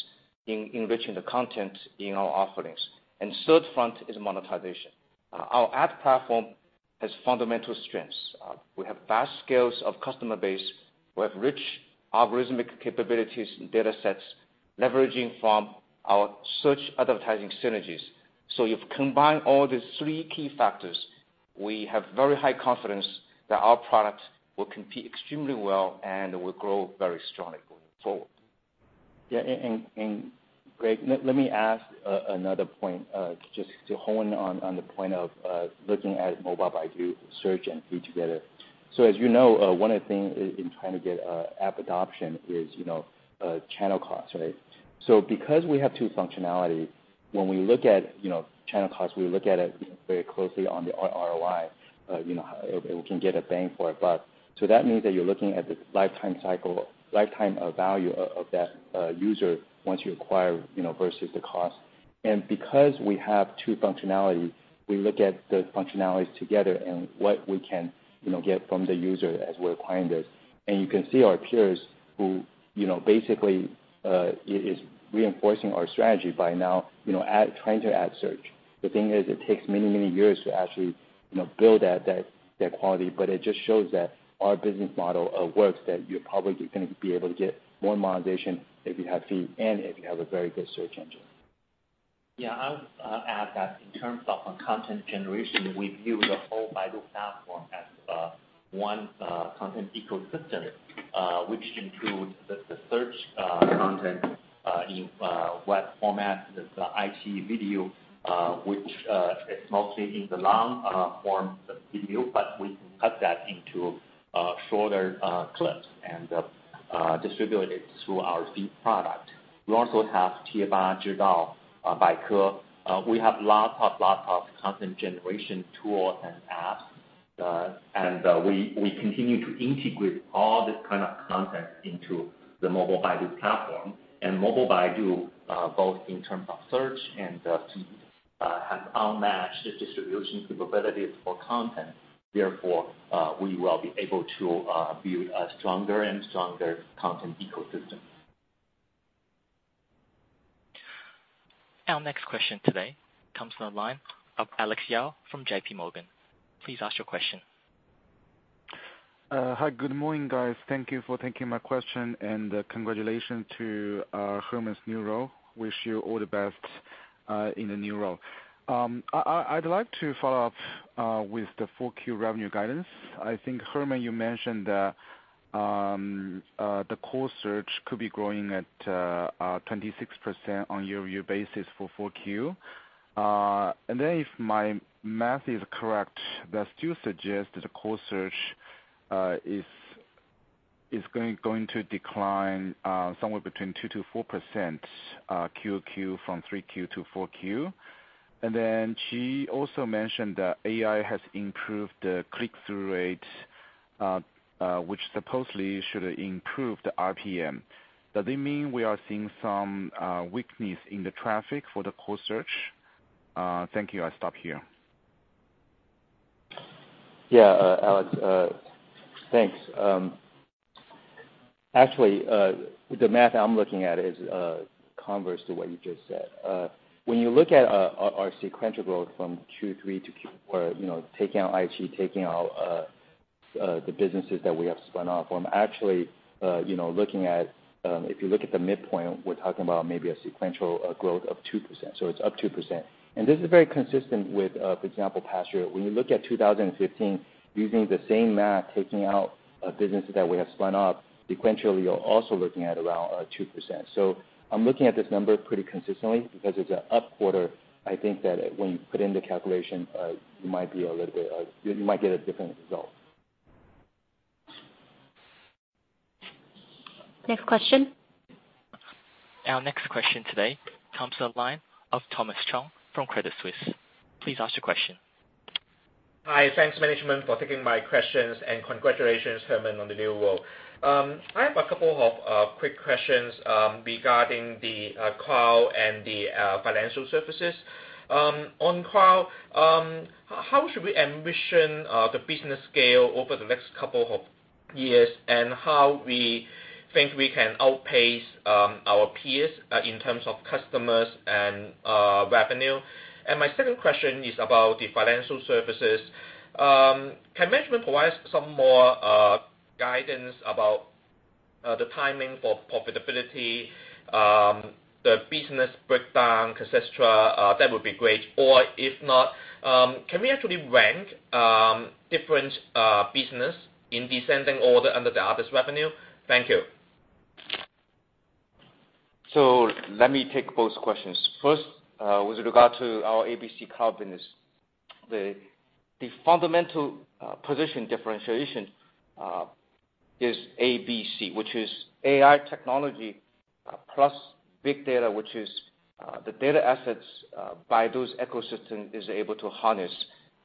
in enriching the content in our offerings. Third front is monetization. Our ad platform has fundamental strengths. We have vast scales of customer base, we have rich algorithmic capabilities and datasets leveraging from our search advertising synergies. You combine all these three key factors, we have very high confidence that our product will compete extremely well and will grow very strongly going forward. Greg, let me add another point, just to hone in on the point of looking at Baidu App search and feed together. As you know, one of the things in trying to get app adoption is channel costs, right? Because we have two functionality, when we look at channel costs, we look at it very closely on the ROI, if we can get a bang for it. That means that you're looking at the lifetime value of that user once you acquire versus the cost. Because we have two functionalities, we look at the functionalities together and what we can get from the user as we're acquiring this. You can see our peers who basically it is reinforcing our strategy by now trying to add search. The thing is, it takes many years to actually build their quality, but it just shows that our business model works, that you're probably going to be able to get more monetization if you have Feed and if you have a very good Search engine. Yeah. I would add that in terms of content generation, we view the whole Baidu platform as one content ecosystem, which includes the Search content in what format, the iQIYI video, which is mostly in the long form video, but we can cut that into shorter clips and distribute it through our Feed product. We also have Baidu Tieba, Baidu Zhidao, Baidu Baike. We have lots of content generation tools and apps. We continue to integrate all this kind of content into the Mobile Baidu platform. Mobile Baidu, both in terms of Search and Feed, has unmatched distribution capabilities for content. Therefore, we will be able to build a stronger and stronger content ecosystem. Our next question today comes from the line of Alex Yao from J.P. Morgan. Please ask your question. Hi. Good morning, guys. Thank you for taking my question and congratulations to Herman's new role. Wish you all the best in the new role. I'd like to follow up with the full Q revenue guidance. I think, Herman, you mentioned that the core Search could be growing at 26% on year-over-year basis for Q4. If my math is correct, that still suggests that the core Search is going to decline somewhere between 2%-4% QOQ from Q3 to Q4. Qi also mentioned that AI has improved the click-through rate, which supposedly should improve the RPM. Does it mean we are seeing some weakness in the traffic for the core Search? Thank you. I stop here. Yeah, Alex. Thanks. Actually, the math I'm looking at is converse to what you just said. When you look at our sequential growth from Q3 to Q4, taking out iQIYI, taking out the businesses that we have spun off, if you look at the midpoint, we're talking about maybe a sequential growth of 2%. It's up 2%. This is very consistent with, for example, past year. When you look at 2015, using the same math, taking out businesses that we have spun off sequentially, you're also looking at around 2%. I'm looking at this number pretty consistently because it's an up quarter. I think that when you put in the calculation, you might get a different result. Next question. Our next question today comes to the line of Thomas Chong from Credit Suisse. Please ask your question. Hi. Thanks management for taking my questions, and congratulations, Herman, on the new role. I have a couple of quick questions regarding the cloud and the financial services. On cloud How should we ambition the business scale over the next couple of years, and how we think we can outpace our peers in terms of customers and revenue? My second question is about the financial services. Can management provide some more guidance about the timing for profitability, the business breakdown, et cetera? That would be great. If not, can we actually rank different business in descending order under the our revenue? Thank you. Let me take both questions. First, with regard to our ABC Cloud business. The fundamental position differentiation is ABC, which is AI technology, plus big data, which is the data assets Baidu's ecosystem is able to harness.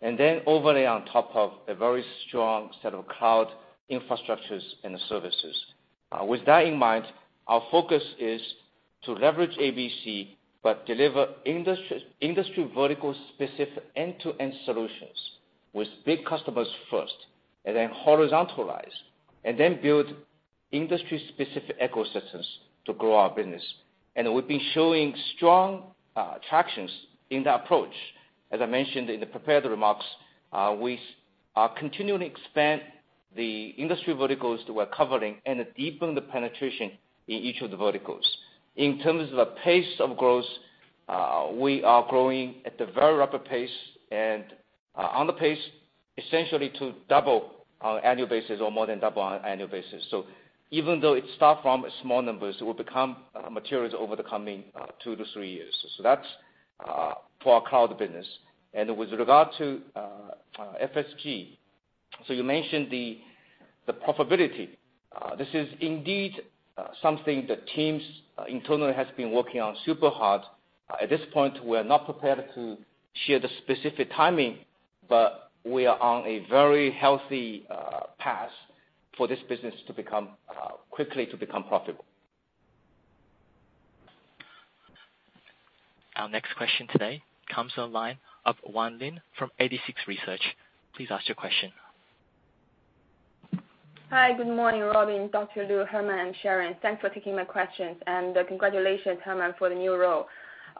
Overlay on top of a very strong set of cloud infrastructures and services. With that in mind, our focus is to leverage ABC, deliver industry vertical specific end-to-end solutions with big customers first, horizontalize, build industry-specific ecosystems to grow our business. We've been showing strong tractions in that approach. As I mentioned in the prepared remarks, we are continuing to expand the industry verticals that we're covering and deepen the penetration in each of the verticals. In terms of the pace of growth, we are growing at a very rapid pace and on the pace essentially to double on an annual basis or more than double on an annual basis. Even though it starts from small numbers, it will become materials over the coming 2-3 years. That's for our cloud business. With regard to FSG, you mentioned the profitability. This is indeed something the teams internally has been working on super hard. At this point, we are not prepared to share the specific timing, we are on a very healthy path for this business quickly to become profitable. Our next question today comes on line of Juan Lin from 86Research. Please ask your question. Hi, good morning, Robin, Dr. Lu, Herman, and Sharon. Thanks for taking my questions, congratulations, Herman, for the new role.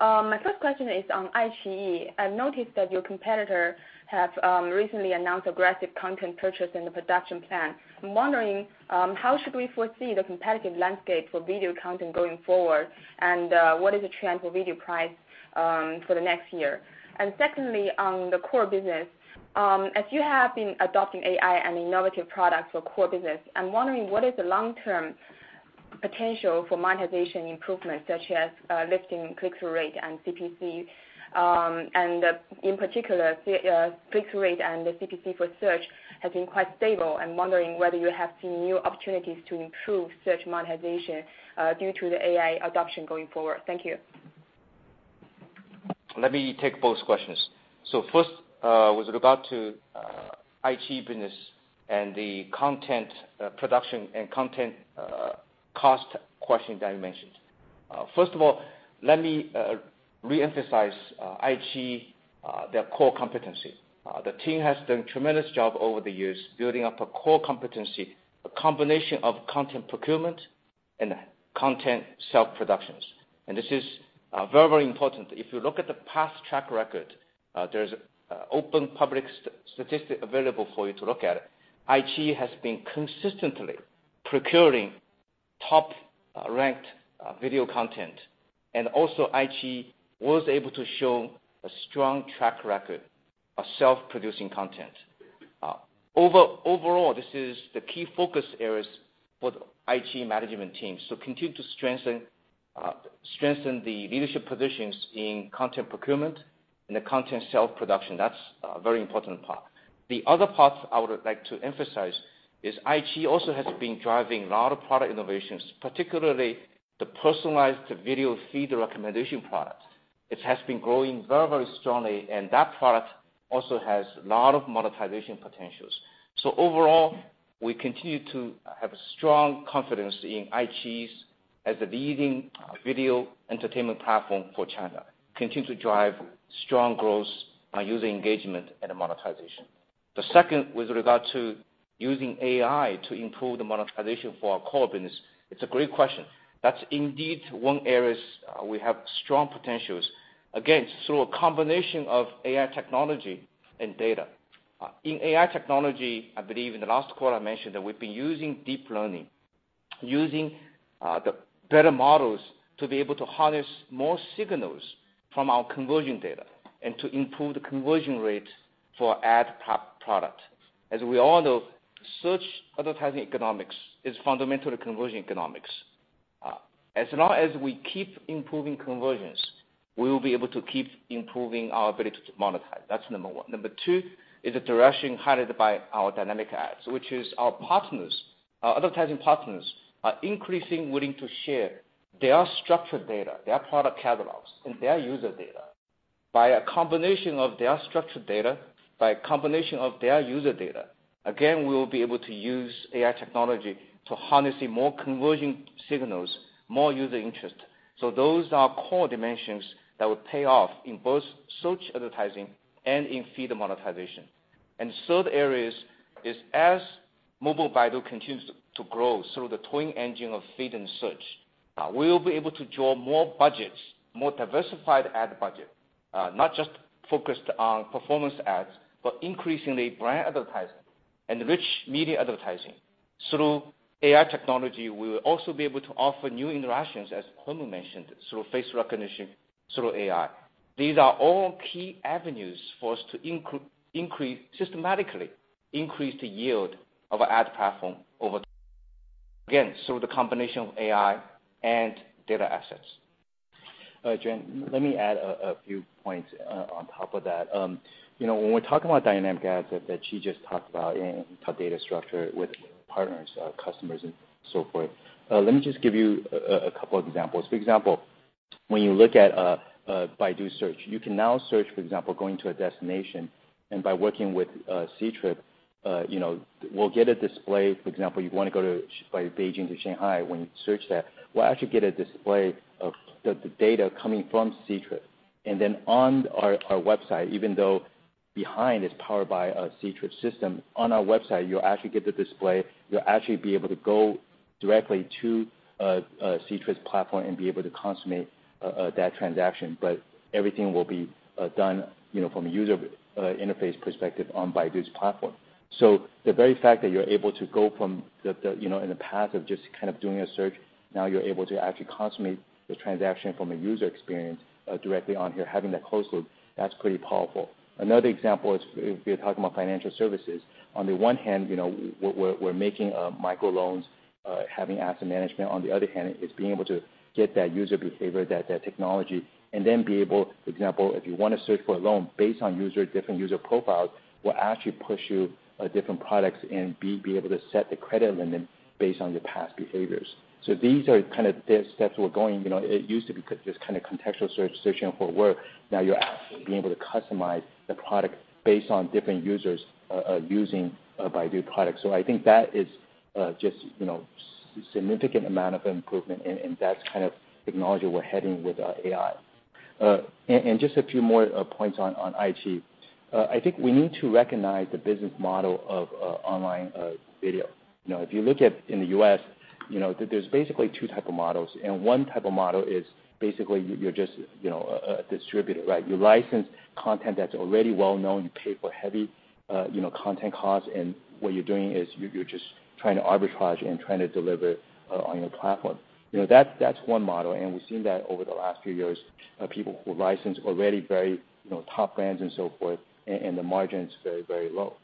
My first question is on iQIYI. I've noticed that your competitor have recently announced aggressive content purchase in the production plan. I'm wondering how should we foresee the competitive landscape for video content going forward, what is the trend for video price for the next year? Secondly, on the core business, as you have been adopting AI and innovative products for core business, I'm wondering what is the long-term potential for monetization improvements, such as lifting click-through rate and CPC? In particular, click-through rate and the CPC for search has been quite stable. I'm wondering whether you have seen new opportunities to improve search monetization due to the AI adoption going forward. Thank you. Let me take both questions. First, with regard to iQIYI business and the content production and content cost question that you mentioned. First of all, let me reemphasize iQIYI, their core competency. The team has done a tremendous job over the years building up a core competency, a combination of content procurement and content self-productions. This is very important. If you look at the past track record, there is open public statistics available for you to look at. iQIYI has been consistently procuring top-ranked video content, and also iQIYI was able to show a strong track record of self-producing content. Overall, this is the key focus areas for the iQIYI management team. Continue to strengthen the leadership positions in content procurement and the content self-production. That's a very important part. The other part I would like to emphasize is iQIYI also has been driving a lot of product innovations, particularly the personalized video feed recommendation product. It has been growing very strongly, and that product also has a lot of monetization potentials. Overall, we continue to have strong confidence in iQIYI as a leading video entertainment platform for China. Continue to drive strong growth by user engagement and monetization. The second, with regard to using AI to improve the monetization for our core business, it's a great question. That's indeed one areas we have strong potentials. Again, through a combination of AI technology and data. In AI technology, I believe in the last call I mentioned that we've been using deep learning, using the better models to be able to harness more signals from our conversion data and to improve the conversion rate for ad product. As we all know, search advertising economics is fundamentally conversion economics. As long as we keep improving conversions, we will be able to keep improving our ability to monetize. That's number one. Number two is the direction highlighted by our dynamic ads, which is our partners, our advertising partners, are increasing willing to share their structured data, their product catalogs, and their user data. By a combination of their structured data By combination of their user data, again, we will be able to use AI technology to harness in more conversion signals, more user interest. Those are core dimensions that will pay off in both search advertising and in feed monetization. Third area is as Baidu App continues to grow through the twin engine of feed and search, we will be able to draw more budgets, more diversified ad budget, not just focused on performance ads, but increasingly brand advertising and rich media advertising. Through AI technology, we will also be able to offer new interactions, as Herman mentioned, through face recognition, through AI. These are all key avenues for us to systematically increase the yield of our ad platform over time. Again, through the combination of AI and data assets. Jin, let me add a few points on top of that. When we're talking about dynamic ads that she just talked about and how data structure with partners, customers and so forth, let me just give you a couple of examples. For example, when you look at Baidu Search, you can now search, for example, going to a destination. By working with Ctrip, we'll get a display. For example, you want to go to Beijing to Shanghai. When you search that, we'll actually get a display of the data coming from Ctrip. Then on our website, even though behind it's powered by a Ctrip system, on our website, you'll actually get the display. You'll actually be able to go directly to Ctrip's platform and be able to consummate that transaction. Everything will be done from a user interface perspective on Baidu's platform. The very fact that you're able to go in the path of just kind of doing a search, now you're able to actually consummate the transaction from a user experience directly on here, having that closed loop, that's pretty powerful. Another example is if you're talking about financial services, on the one hand, we're making micro loans, having asset management. On the other hand, it's being able to get that user behavior, that technology, and then be able, for example, if you want to search for a loan based on different user profiles, we'll actually push you different products and be able to set the credit limit based on your past behaviors. These are kind of the steps we're going. It used to be just kind of contextual search, searching for work. Now you're actually being able to customize the product based on different users using a Baidu product. I think that is just significant amount of improvement, and that's kind of the technology we're heading with AI. Just a few more points on iQIYI. I think we need to recognize the business model of online video. If you look at in the U.S., there's basically type 2 of models. Type 1 of model is basically you're just a distributor. You license content that's already well-known. You pay for heavy content costs. What you're doing is you're just trying to arbitrage and trying to deliver on your platform. That's type 1 model. We've seen that over the last few years, people who license already very top brands and so forth, and the margin is very low.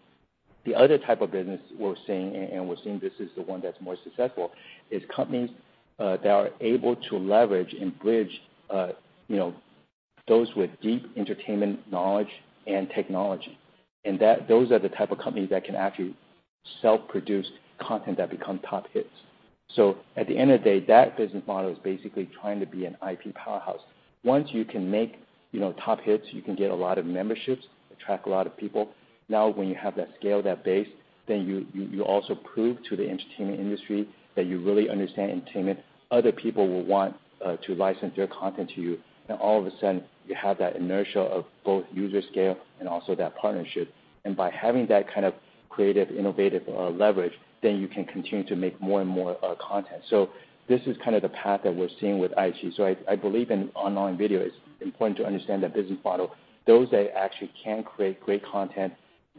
The other type of business we're seeing, and we're seeing this is the one that's more successful, is companies that are able to leverage and bridge those with deep entertainment knowledge and technology. Those are the type of companies that can actually self-produce content that become top hits. At the end of the day, that business model is basically trying to be an IP powerhouse. Once you can make top hits, you can get a lot of memberships, attract a lot of people. When you have that scale, that base, you also prove to the entertainment industry that you really understand entertainment. Other people will want to license their content to you. All of a sudden, you have that inertia of both user scale and also that partnership. By having that kind of creative, innovative leverage, you can continue to make more and more content. This is kind of the path that we're seeing with iQIYI. I believe in online video, it's important to understand that business model, those that actually can create great content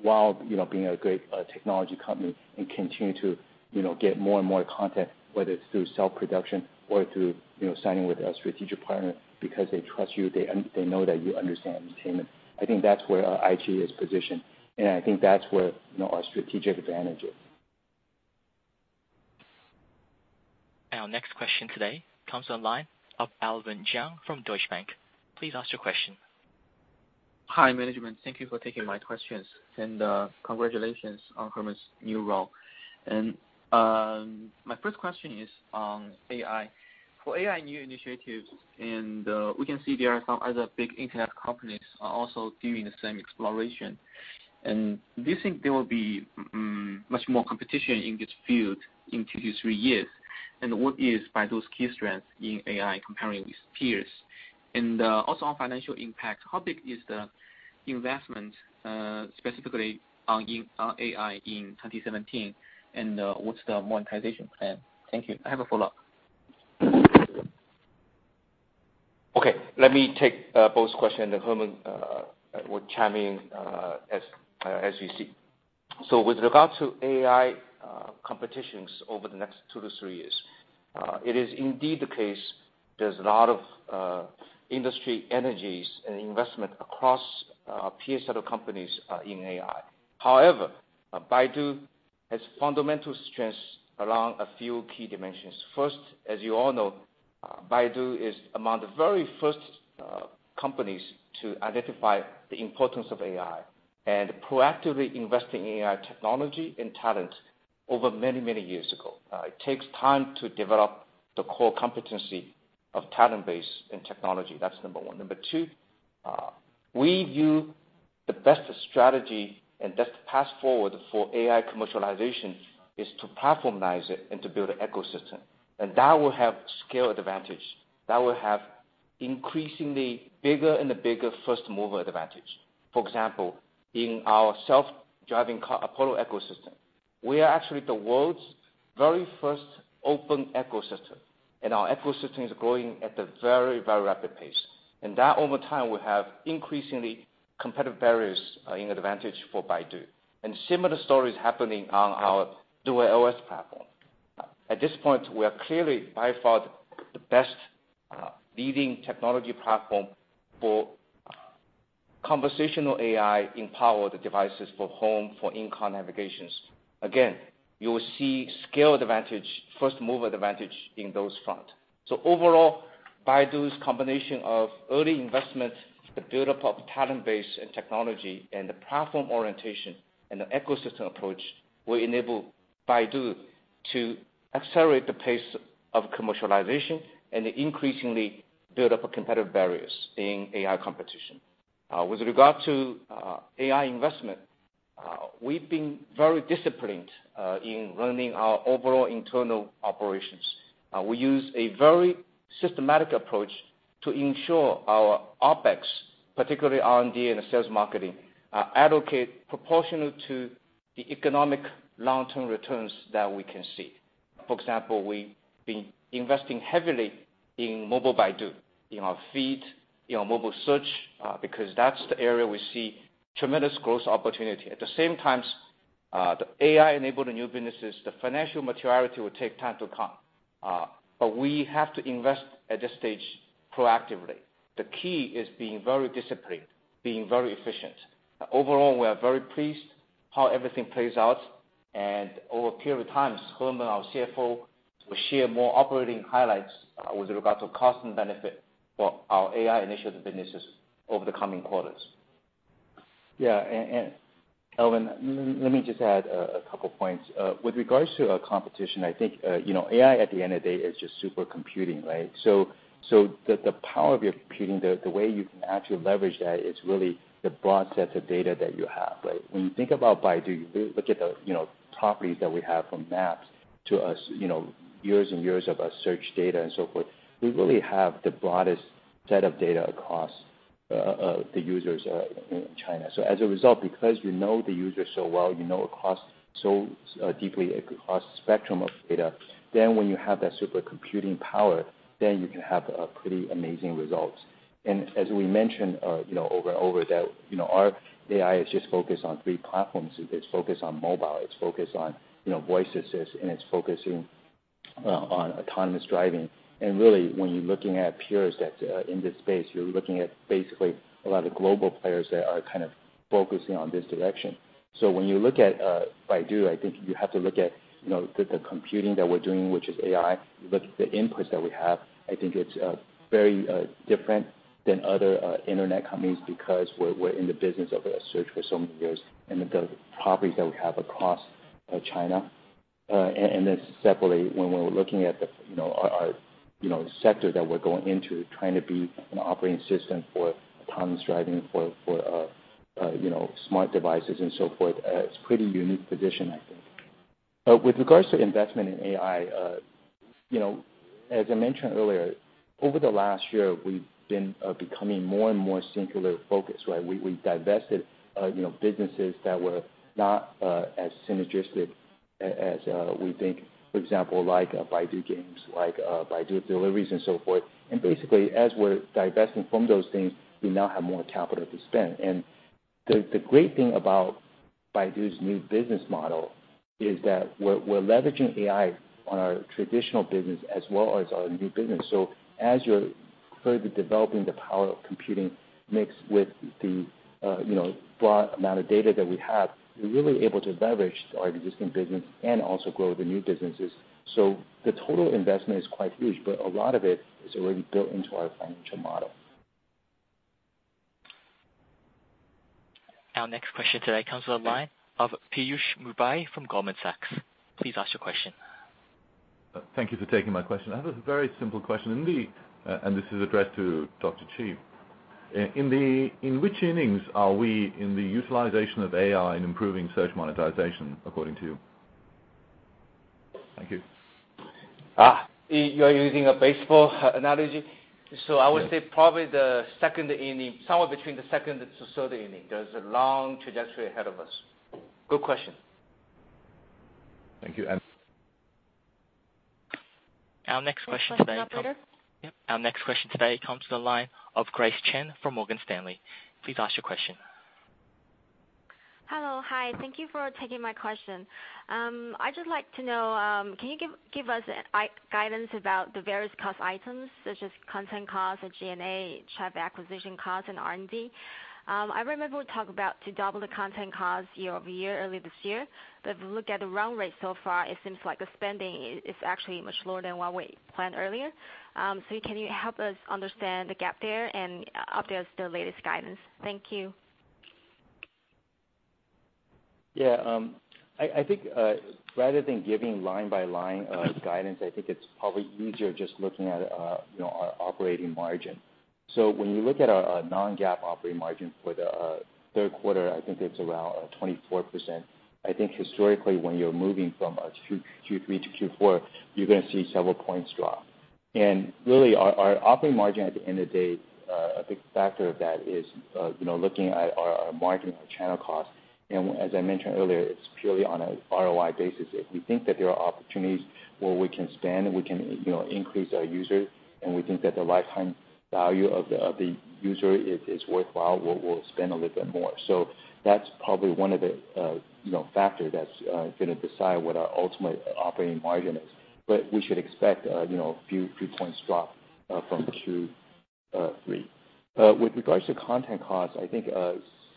while being a great technology company and continue to get more and more content, whether it's through self-production or through signing with a strategic partner because they trust you, they know that you understand entertainment. I think that's where iQIYI is positioned, and I think that's where our strategic advantage is. Our next question today comes on the line of Alvin Jiang from Deutsche Bank. Please ask your question. Hi, management. Thank you for taking my questions, and congratulations on Herman's new role. My first question is on AI. For AI new initiatives, we can see there are some other big internet companies are also doing the same exploration. Do you think there will be much more competition in this field in two to three years? What is Baidu's key strength in AI comparing with peers? Also on financial impact, how big is the investment, specifically on AI in 2017, and what's the monetization plan? Thank you. I have a follow-up. Okay, let me take both questions, Herman will chime in as you see. With regard to AI competitions over the next two to three years, it is indeed the case there's a lot of industry energies and investment across a peer set of companies in AI. However, Baidu has fundamental strengths along a few key dimensions. First, as you all know, Baidu is among the very first companies to identify the importance of AI and proactively invest in AI technology and talent over many years ago. It takes time to develop the core competency of talent base and technology. That's number 1. Number 2, we view the best strategy and best path forward for AI commercialization is to platformize it and to build an ecosystem. That will have scale advantage. That will have increasingly bigger and bigger first-mover advantage. For example, in our self-driving car, Apollo ecosystem, we are actually the world's very first open ecosystem, our ecosystem is growing at a very rapid pace. That, over time, will have increasingly competitive barriers in advantage for Baidu. Similar story is happening on our DuerOS platform. At this point, we are clearly, by far, the best leading technology platform for conversational AI in powered devices for home, for in-car navigations. Again, you will see scale advantage, first-mover advantage in those front. Overall, Baidu's combination of early investment, the buildup of talent base and technology, the platform orientation, and the ecosystem approach will enable Baidu to accelerate the pace of commercialization and increasingly build up competitive barriers in AI competition. With regard to AI investment, we've been very disciplined in running our overall internal operations. Yeah. Alvin, let me just add a couple points. We use a very systematic approach to ensure our OpEx, particularly R&D and sales marketing, are allocated proportional to the economic long-term returns that we can see. For example, we've been investing heavily in Baidu App, in our feed, in our mobile search, because that's the area we see tremendous growth opportunity. At the same time, the AI-enabled new businesses, the financial maturity will take time to come. We have to invest at this stage proactively. The key is being very disciplined, being very efficient. We are very pleased how everything plays out, and over a period of time, Herman, our CFO, will share more operating highlights with regard to cost and benefit for our AI initiative businesses over the coming quarters. Yeah. Alvin, let me just add a couple points. With regards to our competition, I think AI at the end of the day is just super computing, right? The power of your computing, the way you can actually leverage that is really the broad sets of data that you have, right? When you think about Baidu, you look at the properties that we have from maps to years and years of our search data and so forth. We really have the broadest set of data across the users in China. As a result, because we know the user so well, we know across so deeply across the spectrum of data, then when you have that super computing power, then you can have pretty amazing results. As we mentioned over and over, our AI is just focused on three platforms. It's focused on mobile, it's focused on voice assist, and it's focusing on autonomous driving. Really, when you're looking at peers in this space, you're looking at basically a lot of global players that are kind of focusing on this direction. When you look at Baidu, I think you have to look at the computing that we're doing, which is AI. You look at the inputs that we have, I think it's very different than other internet companies because we're in the business of search for so many years and the properties that we have across China. Then separately, when we're looking at our sector that we're going into, trying to be an operating system for autonomous driving, for smart devices and so forth, it's pretty unique position, I think. With regards to investment in AI, as I mentioned earlier, over the last year, we've been becoming more and more singular focused, right? We divested businesses that were not as synergistic as we think. For example, like Baidu Games, like Baidu Delivery and so forth. As we're divesting from those things, we now have more capital to spend. The great thing about Baidu's new business model is that we're leveraging AI on our traditional business as well as our new business. As you're further developing the power of computing mixed with the broad amount of data that we have, we're really able to leverage our existing business and also grow the new businesses. The total investment is quite huge, but a lot of it is already built into our financial model. Our next question today comes on the line of Piyush Mubayi from Goldman Sachs. Please ask your question. Thank you for taking my question. I have a very simple question. This is addressed to Dr. Qi. In which innings are we in the utilization of AI in improving search monetization, according to you? Thank you. You are using a baseball analogy? Yes. I would say probably the second inning, somewhere between the second and third inning. There's a long trajectory ahead of us. Good question. Thank you. Our next question today- Next question, operator. Yep. Our next question today comes to the line of Grace Chen from Morgan Stanley. Please ask your question. Hello. Hi. Thank you for taking my question. I'd just like to know, can you give us guidance about the various cost items such as content cost and G&A, traffic acquisition cost, and R&D? I remember we talked about to double the content cost year-over-year earlier this year, but if you look at the run rate so far, it seems like the spending is actually much lower than what we planned earlier. Can you help us understand the gap there and update us the latest guidance? Thank you. Yeah. I think rather than giving line-by-line guidance, I think it's probably easier just looking at our operating margin. When you look at our non-GAAP operating margin for the third quarter, I think it's around 24%. I think historically when you're moving from Q3 to Q4, you're going to see several points drop. Really our operating margin at the end of the day, a big factor of that is looking at our channel cost. As I mentioned earlier, it's purely on an ROI basis. If we think that there are opportunities where we can spend, we can increase our users, and we think that the lifetime value of the user is worthwhile, we'll spend a little bit more. That's probably one of the factors that's going to decide what our ultimate operating margin is. We should expect a few points drop from Q3. With regards to content costs, I think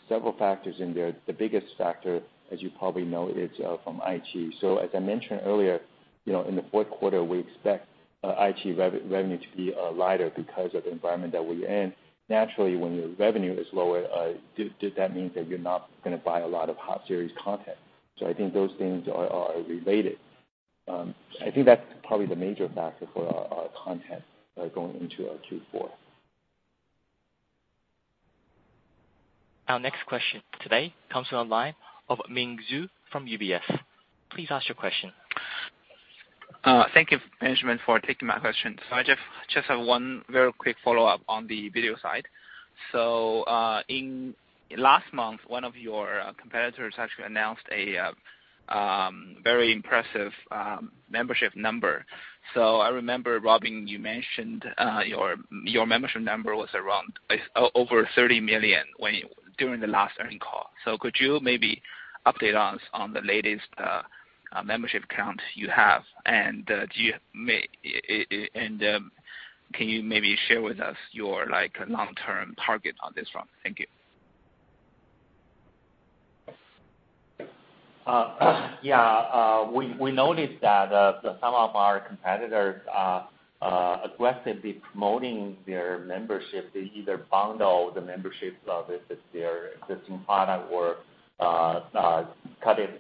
several factors in there. The biggest factor, as you probably know, it's from iQIYI. As I mentioned earlier, in the fourth quarter, we expect iQIYI revenue to be lighter because of the environment that we're in. Naturally, when your revenue is lower, that means that you're not going to buy a lot of hot series content. I think those things are related. I think that's probably the major factor for our content going into our Q4. Our next question today comes on the line of Ming Zhu from UBS. Please ask your question. Thank you, management, for taking my question. I just have one very quick follow-up on the video side. In last month, one of your competitors actually announced a very impressive membership number. I remember, Robin, you mentioned your membership number was over 30 million during the last earning call. Could you maybe update us on the latest membership count you have, and can you maybe share with us your long-term target on this front? Thank you. Yeah. We noticed that some of our competitors are aggressively promoting their membership. They either bundle the memberships with their existing product or cut it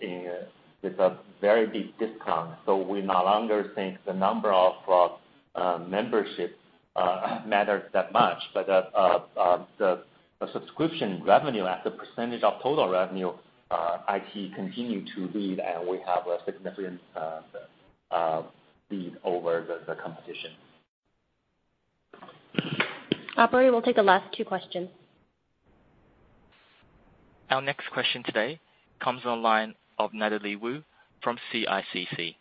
with a very big discount. We no longer think the number of memberships matters that much, but the subscription revenue as a % of total revenue, iQIYI continue to lead, and we have a significant lead over the competition. Operator, we'll take the last two questions. Our next question today comes on the line of Natalie Wu from CICC.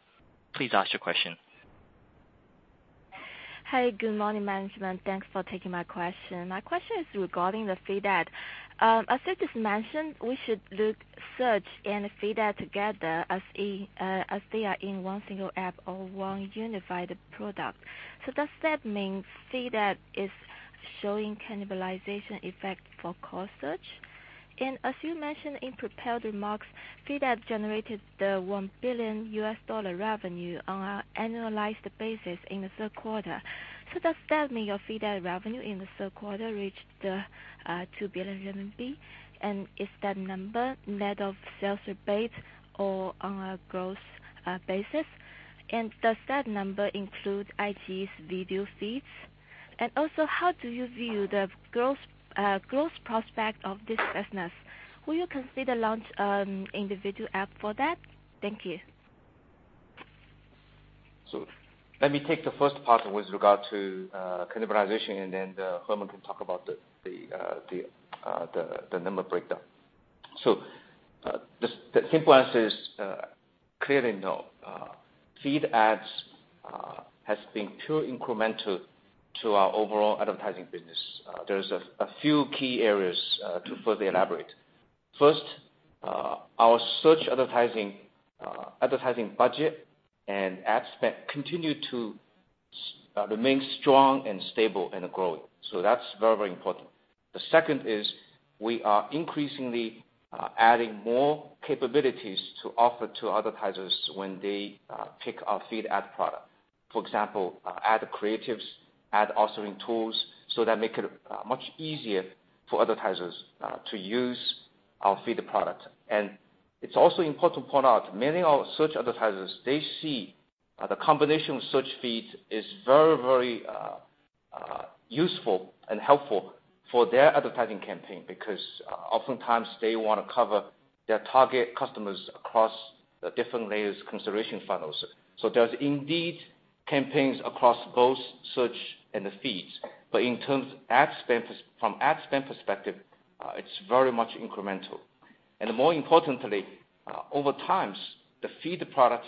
Please ask your question. Good morning, management. Thanks for taking my question. My question is regarding the feed ad. As it is mentioned, we should look search and feed ad together as they are in one single app or one unified product. Does that mean feed ad is showing cannibalization effect for core search? As you mentioned in prepared remarks, feed ad generated $1 billion revenue on an annualized basis in the third quarter. Does that mean your feed ad revenue in the third quarter reached 2 billion RMB? Is that number net of sales rebate or on a gross basis? Does that number include iQIYI's video feeds? How do you view the growth prospect of this business? Will you consider launch individual app for that? Thank you. Let me take the first part with regard to cannibalization, and then Herman can talk about the number breakdown. The simple answer is clearly no. Feed ads has been pure incremental to our overall advertising business. There's a few key areas to further elaborate. First, our search advertising budget and ad spend continue to remain strong and stable and growing. That's very important. The second is we are increasingly adding more capabilities to offer to advertisers when they pick our feed ad product. For example, ad creatives, ad authoring tools, so that make it much easier for advertisers to use our feed product. It's also important to point out many of our search advertisers, they see the combination of search feeds is very useful and helpful for their advertising campaign because oftentimes they want to cover their target customers across the different layers consideration funnels. There's indeed campaigns across both search and the feeds, but from ad spend perspective, it's very much incremental. More importantly, over time, the feed products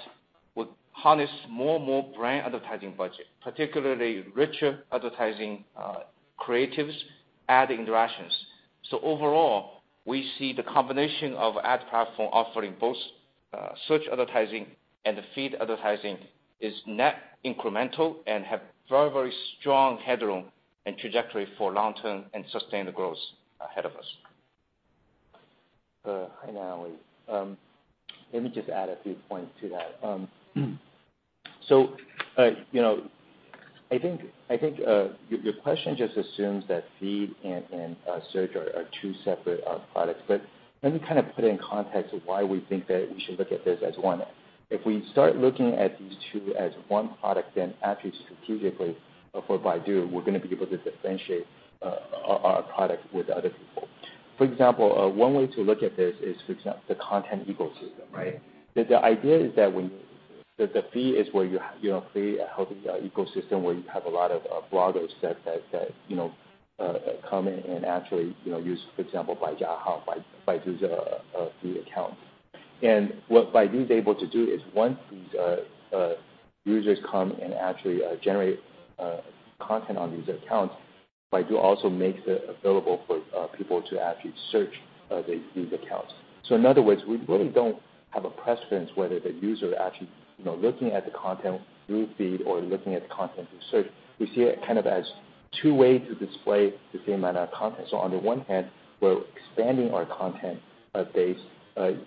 would harness more brand advertising budget, particularly richer advertising creatives, ad interactions. Overall, we see the combination of ad platform offering both search advertising and the feed advertising is net incremental and have very strong headroom and trajectory for long-term and sustained growth ahead of us. Hi, Natalie. Let me just add a few points to that. I think your question just assumes that feed and search are two separate products. Let me put it in context of why we think that we should look at this as one. If we start looking at these two as one product, then actually strategically for Baidu, we're going to be able to differentiate our product with other people. For example, one way to look at this is, for example, the content ecosystem, right? The idea is that the feed is where you have a healthy ecosystem, where you have a lot of bloggers that come in and actually use, for example, Baidu's feed account. What Baidu is able to do is once these users come and actually generate content on these accounts, Baidu also makes it available for people to actually search these accounts. In other words, we really don't have a preference whether the user actually looking at the content through feed or looking at the content through search. We see it as two ways to display the same amount of content. On the one hand, we're expanding our content base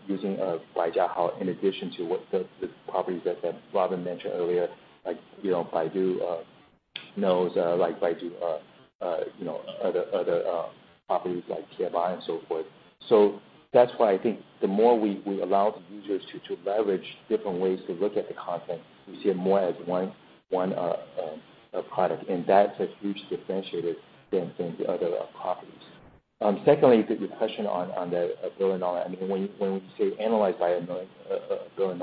using Baijiahao in addition to what the properties that Robin mentioned earlier, like Baidu Zhidao other properties like KMI and so forth. That's why I think the more we allow the users to leverage different ways to look at the content, we see it more as one product, and that's a huge differentiator than the other properties. Secondly, your question on the $1 billion. When we say analyze by $1 billion,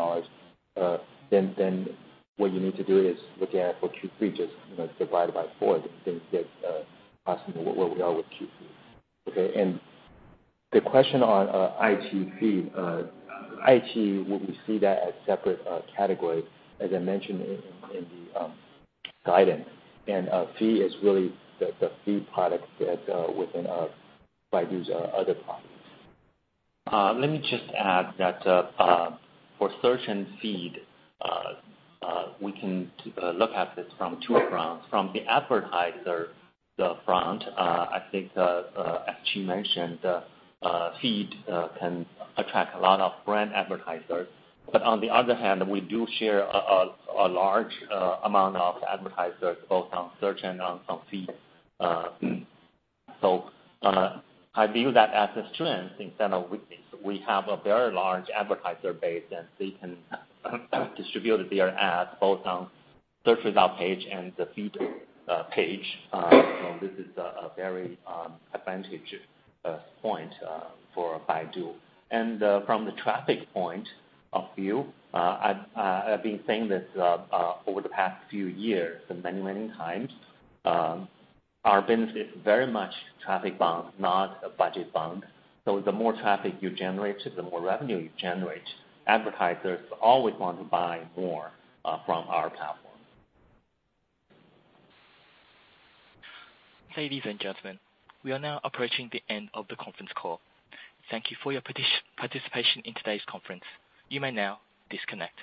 what you need to do is look at it for Q3, just divide it by 4 to get approximately where we are with Q4. Okay, the question on AI feed. AI, we see that as separate category, as I mentioned in the guidance. Feed is really the feed product within Baidu's other products. Let me just add that for search and feed, we can look at this from two fronts. From the advertiser front, I think as Qi mentioned, feed can attract a lot of brand advertisers. On the other hand, we do share a large amount of advertisers both on search and on feed. I view that as a strength instead of weakness. We have a very large advertiser base, and they can distribute their ads both on search result page and the feed page. This is a very advantage point for Baidu. From the traffic point of view, I've been saying this over the past few years many times. Our business is very much traffic-bound, not budget-bound. The more traffic you generate, the more revenue you generate. Advertisers always want to buy more from our platform. Ladies and gentlemen, we are now approaching the end of the conference call. Thank you for your participation in today's conference. You may now disconnect.